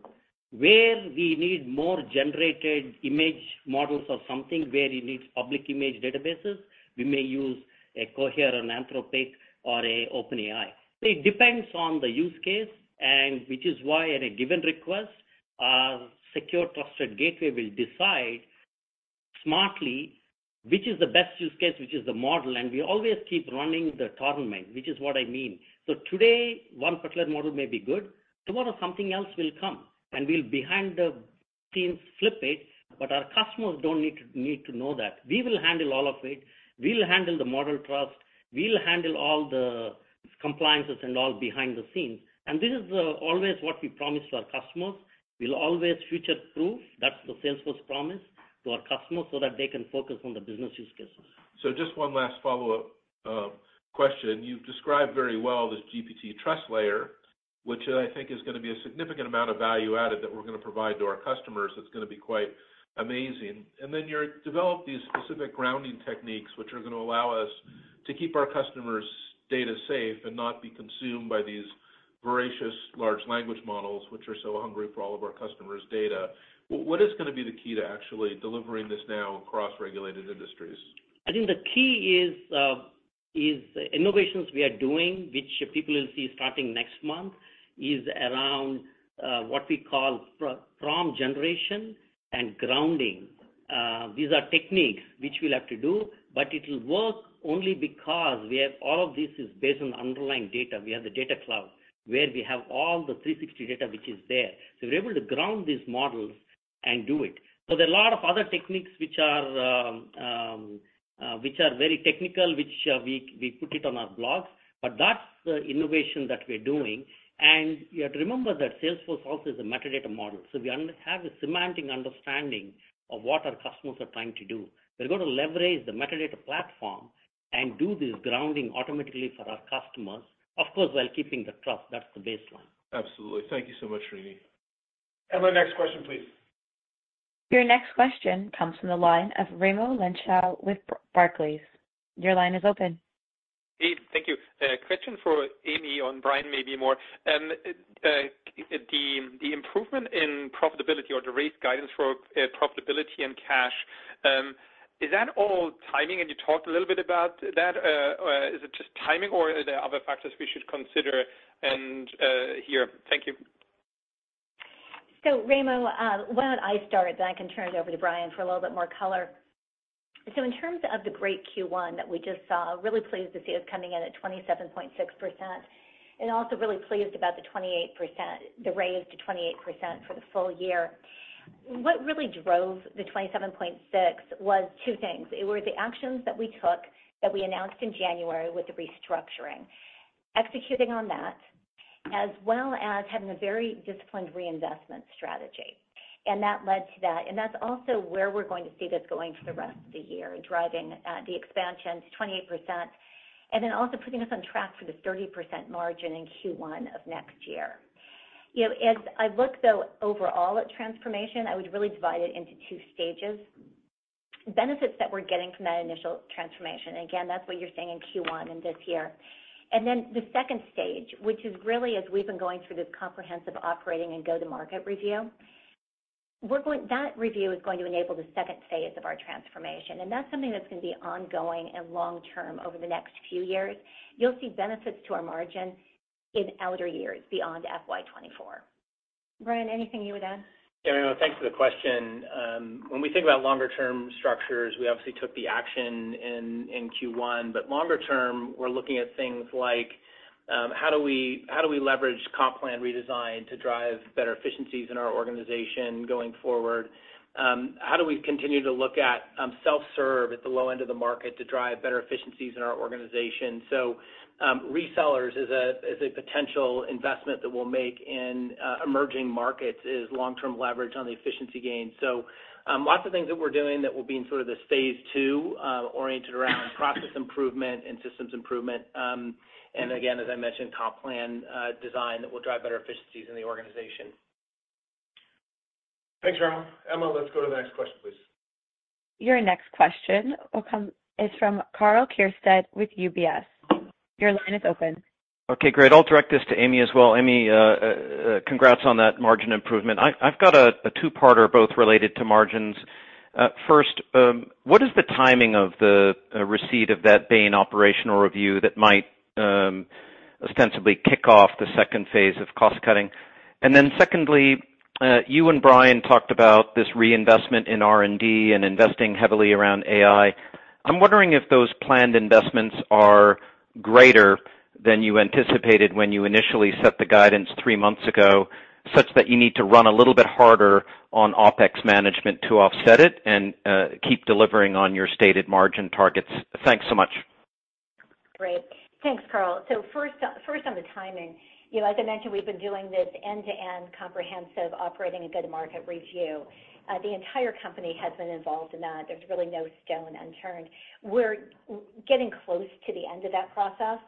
Where we need more generated image models or something, where it needs public image databases, we may use a Cohere, an Anthropic, or a OpenAI. It depends on the use case, and which is why, in a given request, our secure trusted gateway will decide smartly, which is the best use case, which is the model, and we always keep running the tournament, which is what I mean. Today, one particular model may be good. Tomorrow, something else will come, and we'll behind the scenes flip it, but our customers don't need to know that. We will handle all of it. We'll handle the model trust, we'll handle all the compliances and all behind the scenes, and this is always what we promise to our customers. We'll always future-proof. That's the Salesforce promise to our customers, so that they can focus on the business use cases. Just one last follow-up question. You've described very well this GPT Trust Layer, which I think is gonna be a significant amount of value added that we're gonna provide to our customers. It's gonna be quite amazing. You developed these specific grounding techniques, which are gonna allow us to keep our customers' data safe and not be consumed by these voracious large language models, which are so hungry for all of our customers' data. What is gonna be the key to actually delivering this now across regulated industries? I think the key is innovations we are doing, which people will see starting next month, is around what we call prompt generation and grounding. These are techniques which we'll have to do, but it'll work only because we have all of this is based on underlying data. We have the Data Cloud, where we have all the 360 data which is there. We're able to ground these models and do it. There are a lot of other techniques which are very technical, which we put it on our blog, but that's the innovation that we're doing. You have to remember that Salesforce also is a metadata model, so we have a semantic understanding of what our customers are trying to do. We're going to leverage the metadata platform and do this grounding automatically for our customers, of course, while keeping the trust, that's the baseline. Absolutely. Thank you so much, Srini. Emma, next question, please. Your next question comes from the line of Raimo Lenschow with Barclays. Your line is open. Hey, thank you. Question for Amy, or Brian, maybe more? The improvement in profitability or the rate guidance for profitability and cash, is that all timing? You talked a little bit about that. Is it just timing, or are there other factors we should consider and here? Thank you. Raimo, why don't I start, then I can turn it over to Brian for a little bit more color. In terms of the great Q1 that we just saw, really pleased to see us coming in at 27.6%, and also really pleased about the 28%, the raise to 28% for the full year. What really drove the 27.6% was two things. It were the actions that we took that we announced in January with the restructuring, executing on that, as well as having a very disciplined reinvestment strategy, and that led to that. That's also where we're going to see this going for the rest of the year, driving, the expansion to 28%, and then also putting us on track for this 30% margin in Q1 of next year. You know, as I look, though, overall at transformation, I would really divide it into two stages. Benefits that we're getting from that initial transformation, again, that's what you're seeing in Q1 in this year. The second stage, which is really as we've been going through this comprehensive operating and go-to-market review, that review is going to enable the second phase of our transformation, and that's something that's going to be ongoing and long-term over the next few years. You'll see benefits to our margin in outer years beyond FY 2024. Brian, anything you would add? Yeah, Raimo, thanks for the question. When we think about longer-term structures, we obviously took the action in Q1, but longer term, we're looking at things like how do we leverage comp plan redesign to drive better efficiencies in our organization going forward? How do we continue to look at self-serve at the low end of the market to drive better efficiencies in our organization? Resellers is a potential investment that we'll make in emerging markets, is long-term leverage on the efficiency gains. Lots of things that we're doing that will be in sort of this phase two, oriented around process improvement and systems improvement. And again, as I mentioned, comp plan design that will drive better efficiencies in the organization. Thanks, Raimo. Emma, let's go to the next question, please. Your next question is from Karl Keirstead with UBS. Your line is open. Okay, great. I'll direct this to Amy as well. Amy, congrats on that margin improvement. I've got a two-parter, both related to margins. First, what is the timing of the receipt of that Bain operational review that might ostensibly kick off the second phase of cost cutting? Secondly, you and Brian talked about this reinvestment in R&D and investing heavily around AI. I'm wondering if those planned investments are greater than you anticipated when you initially set the guidance three months ago, such that you need to run a little bit harder on OpEx management to offset it and keep delivering on your stated margin targets. Thanks so much. Great. Thanks, Karl. First on the timing, you know, as I mentioned, we've been doing this end-to-end comprehensive operating and go-to-market review. The entire company has been involved in that. There's really no stone unturned. We're getting close to the end of that process,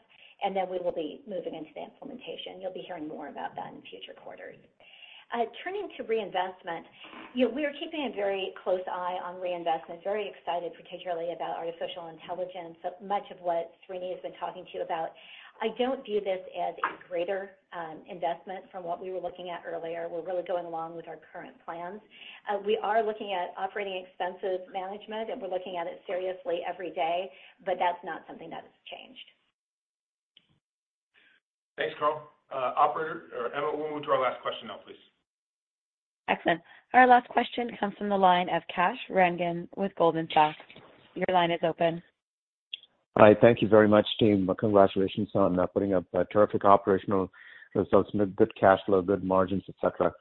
we will be moving into the implementation. You'll be hearing more about that in future quarters. Turning to reinvestment, you know, we are keeping a very close eye on reinvestment, very excited, particularly about artificial intelligence, so much of what Srini has been talking to you about. I don't view this as a greater investment from what we were looking at earlier. We're really going along with our current plans. We are looking at operating expenses management, we're looking at it seriously every day, that's not something that has changed. Thanks, Karl. Operator, or Emma, we'll move to our last question now, please. Excellent. Our last question comes from the line of Kash Rangan with Goldman Sachs. Your line is open. Hi, thank you very much, team. Congratulations on putting up terrific operational results, good cash flow, good margins, et cetera.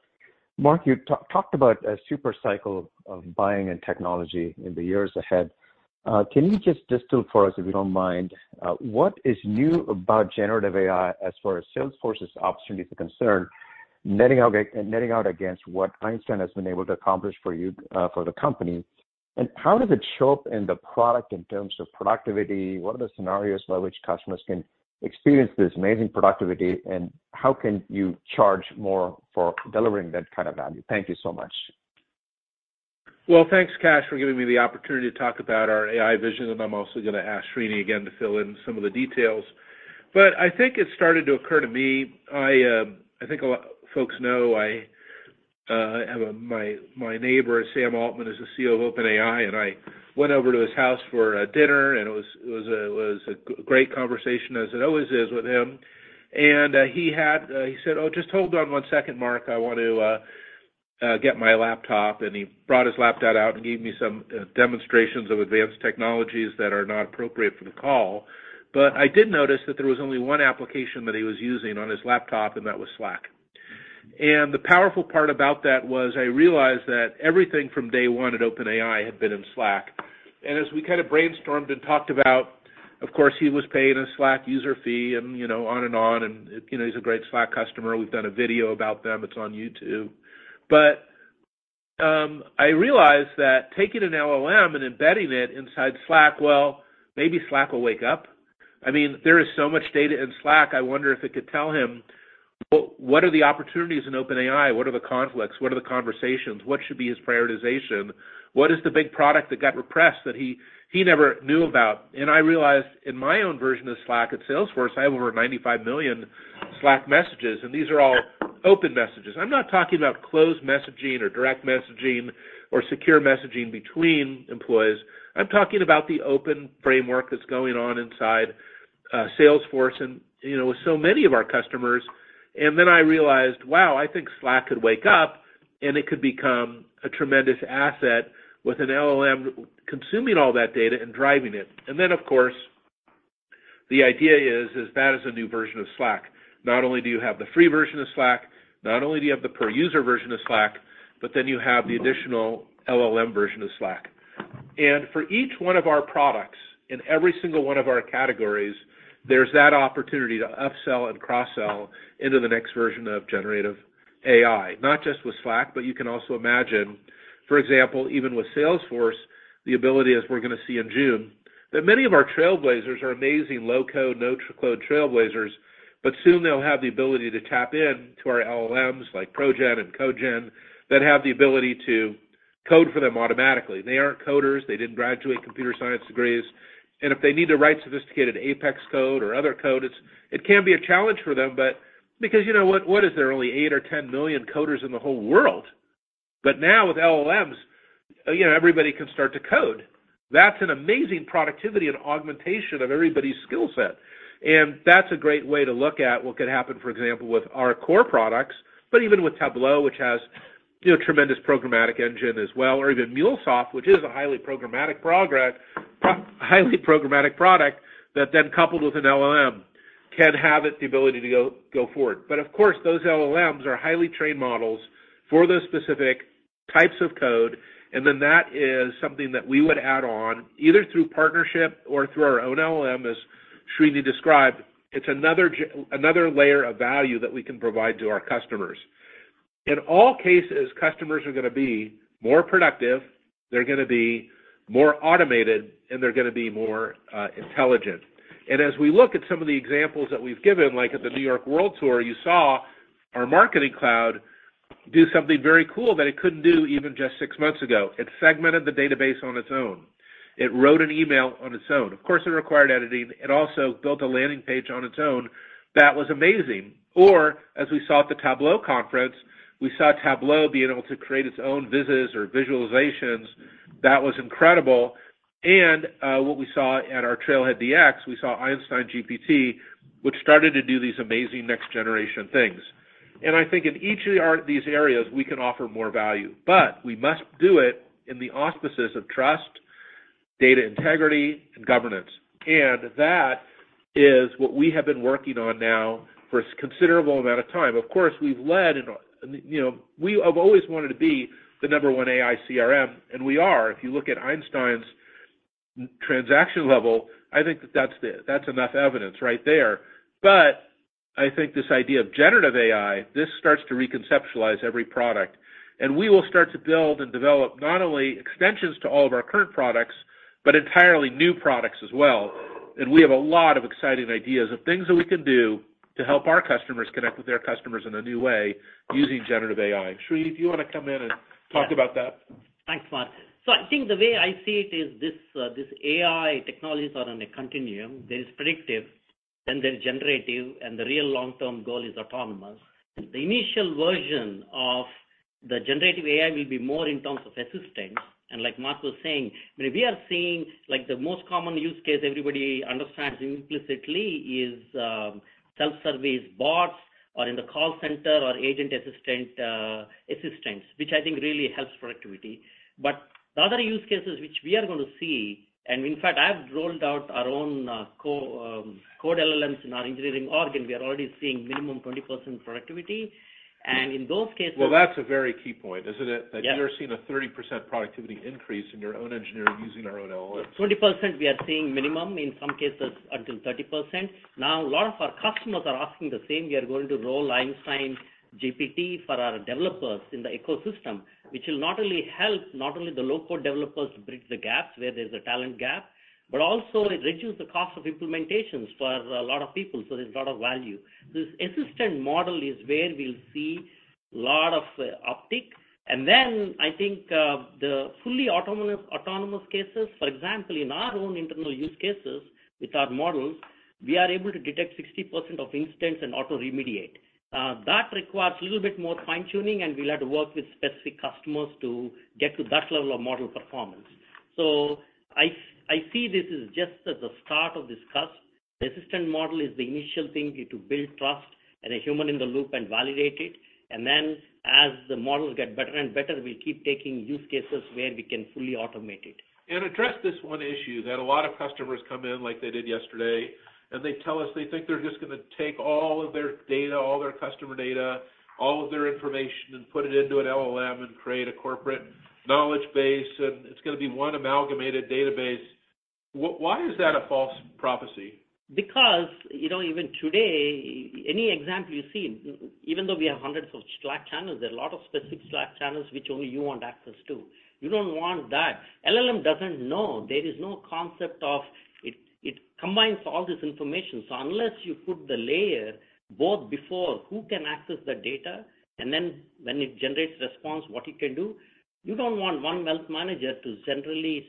Marc, you talked about a super cycle of buying and technology in the years ahead. Can you just distill for us, if you don't mind, what is new about generative AI as far as Salesforce's opportunity is concerned, netting out against what Einstein has been able to accomplish for you, for the company? How does it show up in the product in terms of productivity? What are the scenarios by which customers can experience this amazing productivity, and how can you charge more for delivering that kind of value? Thank you so much. Well, thanks, Kash, for giving me the opportunity to talk about our AI vision, and I'm also going to ask Srini again to fill in some of the details. I think it started to occur to me, I think a lot folks know I have my neighbor, Sam Altman, is the CEO of OpenAI, and I went over to his house for a dinner, and it was a great conversation, as it always is with him. He had, he said, "Oh, just hold on one second, Marc. I want to get my laptop." He brought his laptop out and gave me some demonstrations of advanced technologies that are not appropriate for the call. I did notice that there was only one application that he was using on his laptop, and that was Slack. The powerful part about that was I realized that everything from day one at OpenAI had been in Slack. As we kind of brainstormed and talked about, of course, he was paying a Slack user fee and, you know, on and on, and, you know, he's a great Slack customer. We've done a video about them. It's on YouTube. But I realized that taking an LLM and embedding it inside Slack, well, maybe Slack will wake up. I mean, there is so much data in Slack, I wonder if it could tell him, what are the opportunities in OpenAI? What are the conflicts? What are the conversations? What should be his prioritization? What is the big product that got repressed that he never knew about? I realized in my own version of Slack at Salesforce, I have over 95,000,000 Slack messages, and these are all open messages. I'm not talking about closed messaging or direct messaging or secure messaging between employees. I'm talking about the open framework that's going on inside Salesforce and, you know, with so many of our customers. I realized, wow, I think Slack could wake up, and it could become a tremendous asset with an LLM consuming all that data and driving it. Of course, the idea is that is a new version of Slack. Not only do you have the free version of Slack, not only do you have the per-user version of Slack, but then you have the additional LLM version of Slack. For each one of our products, in every single one of our categories, there's that opportunity to upsell and cross-sell into the next version of generative AI. Not just with Slack, but you can also imagine, for example, even with Salesforce, the ability as we're gonna see in June, that many of our trailblazers are amazing low-code, no-code trailblazers, but soon they'll have the ability to tap in to our LLMs, like ProGen and CodeGen, that have the ability to code for them automatically. They aren't coders. They didn't graduate computer science degrees, and if they need to write sophisticated Apex code or other code, it can be a challenge for them, because, you know what? Is there only 8,000,000 or 10,000,000 coders in the whole world? Now with LLMs, you know, everybody can start to code. That's an amazing productivity and augmentation of everybody's skill set, and that's a great way to look at what could happen, for example, with our core products, but even with Tableau, which has, you know, tremendous programmatic engine as well, or even MuleSoft, which is a highly programmatic highly programmatic product that then, coupled with an LLM, can have the ability to go forward. Of course, those LLMs are highly trained models for those specific types of code, and then that is something that we would add on, either through partnership or through our own LLM, as Srini described. It's another layer of value that we can provide to our customers. In all cases, customers are gonna be more productive, they're gonna be more automated, and they're gonna be more intelligent. As we look at some of the examples that we've given, like at the New York World Tour, you saw our Marketing Cloud do something very cool that it couldn't do even just six months ago. It segmented the database on its own. It wrote an email on its own. Of course, it required editing. It also built a landing page on its own. That was amazing. As we saw at the Tableau conference, we saw Tableau being able to create its own viz or visualizations. That was incredible. What we saw at our Trailhead DX, we saw Einstein GPT, which started to do these amazing next-generation things. I think in each of these areas, we can offer more value, but we must do it in the auspices of trust, data integrity, and governance. That is what we have been working on now for a considerable amount of time. Of course, we've led and, you know, I've always wanted to be the number one AI CRM, and we are. If you look at Einstein's transaction level, I think that's enough evidence right there. I think this idea of generative AI, this starts to reconceptualize every product, and we will start to build and develop not only extensions to all of our current products, but entirely new products as well. We have a lot of exciting ideas of things that we can do to help our customers connect with their customers in a new way using generative AI. Srini, do you want to come in and talk about that? Thanks, Marc. I think the way I see it is this AI technologies are on a continuum. There is predictive, then there's generative, and the real long-term goal is autonomous. The initial version of the generative AI will be more in terms of assistance. Like Marc was saying, we are seeing, like, the most common use case everybody understands implicitly is self-service bots or in the call center or agent assistants, which I think really helps productivity. But the other use cases which we are going to see, and in fact, I've rolled out our own code LLMs in our engineering org, and we are already seeing minimum 20% productivity. In those cases. Well, that's a very key point, isn't it? Yes. You're seeing a 30% productivity increase in your own engineering using our own LLMs. 20%, we are seeing minimum, in some cases, until 30%. A lot of our customers are asking the same. We are going to roll Einstein GPT for our developers in the ecosystem, which will not only help the low-code developers bridge the gaps, where there's a talent gap, but also it reduces the cost of implementations for a lot of people, so there's a lot of value. This assistant model is where we'll see a lot of uptick. I think the fully autonomous cases, for example, in our own internal use cases with our models, we are able to detect 60% of instance and auto-remediate. That requires a little bit more fine-tuning, and we'll have to work with specific customers to get to that level of model performance. I see this as just as the start of this cusp. The assistant model is the initial thing to build trust and a human in the loop and validate it. As the models get better and better, we keep taking use cases where we can fully automate it. Address this one issue, that a lot of customers come in, like they did yesterday, and they tell us they think they're just gonna take all of their data, all their customer data, all of their information, and put it into an LLM and create a corporate knowledge base, and it's gonna be one amalgamated database. Why is that a false prophecy? You know, even today, any example you've seen, even though we have hundreds of Slack channels, there are a lot of specific Slack channels which only you want access to. You don't want that. LLM doesn't know. There is no concept of... It combines all this information. Unless you put the layer both before, who can access the data, and then when it generates response, what it can do, you don't want one wealth manager to generally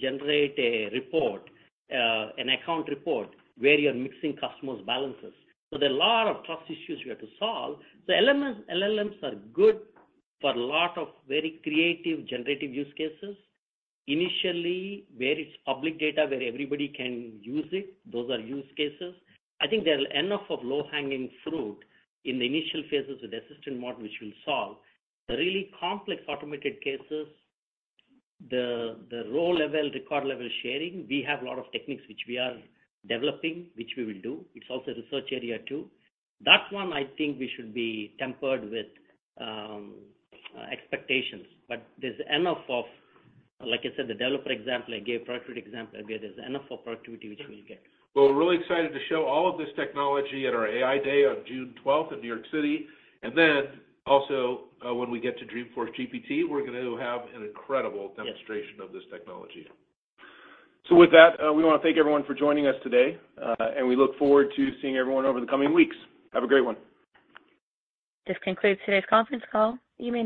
generate a report, an account report, where you're mixing customers' balances. There are a lot of trust issues we have to solve. LLMs are good for a lot of very creative, generative use cases. Initially, where it's public data, where everybody can use it, those are use cases. I think there are enough of low-hanging fruit in the initial phases of the assistant model, which will solve the really complex automated cases, the role level, record level sharing. We have a lot of techniques which we are developing, which we will do. It's also a research area, too. That one, I think we should be tempered with expectations, but there's enough of, like I said, the developer example I gave, productivity example I gave, there's enough of productivity which we'll get. Well, we're really excited to show all of this technology at our AI Day on June 12th in New York City. Then also, when we get to Dreamforce GPT, we're going to have an incredible- Yes Demonstration of this technology. With that, we want to thank everyone for joining us today, and we look forward to seeing everyone over the coming weeks. Have a great one. This concludes today's conference call. You may now...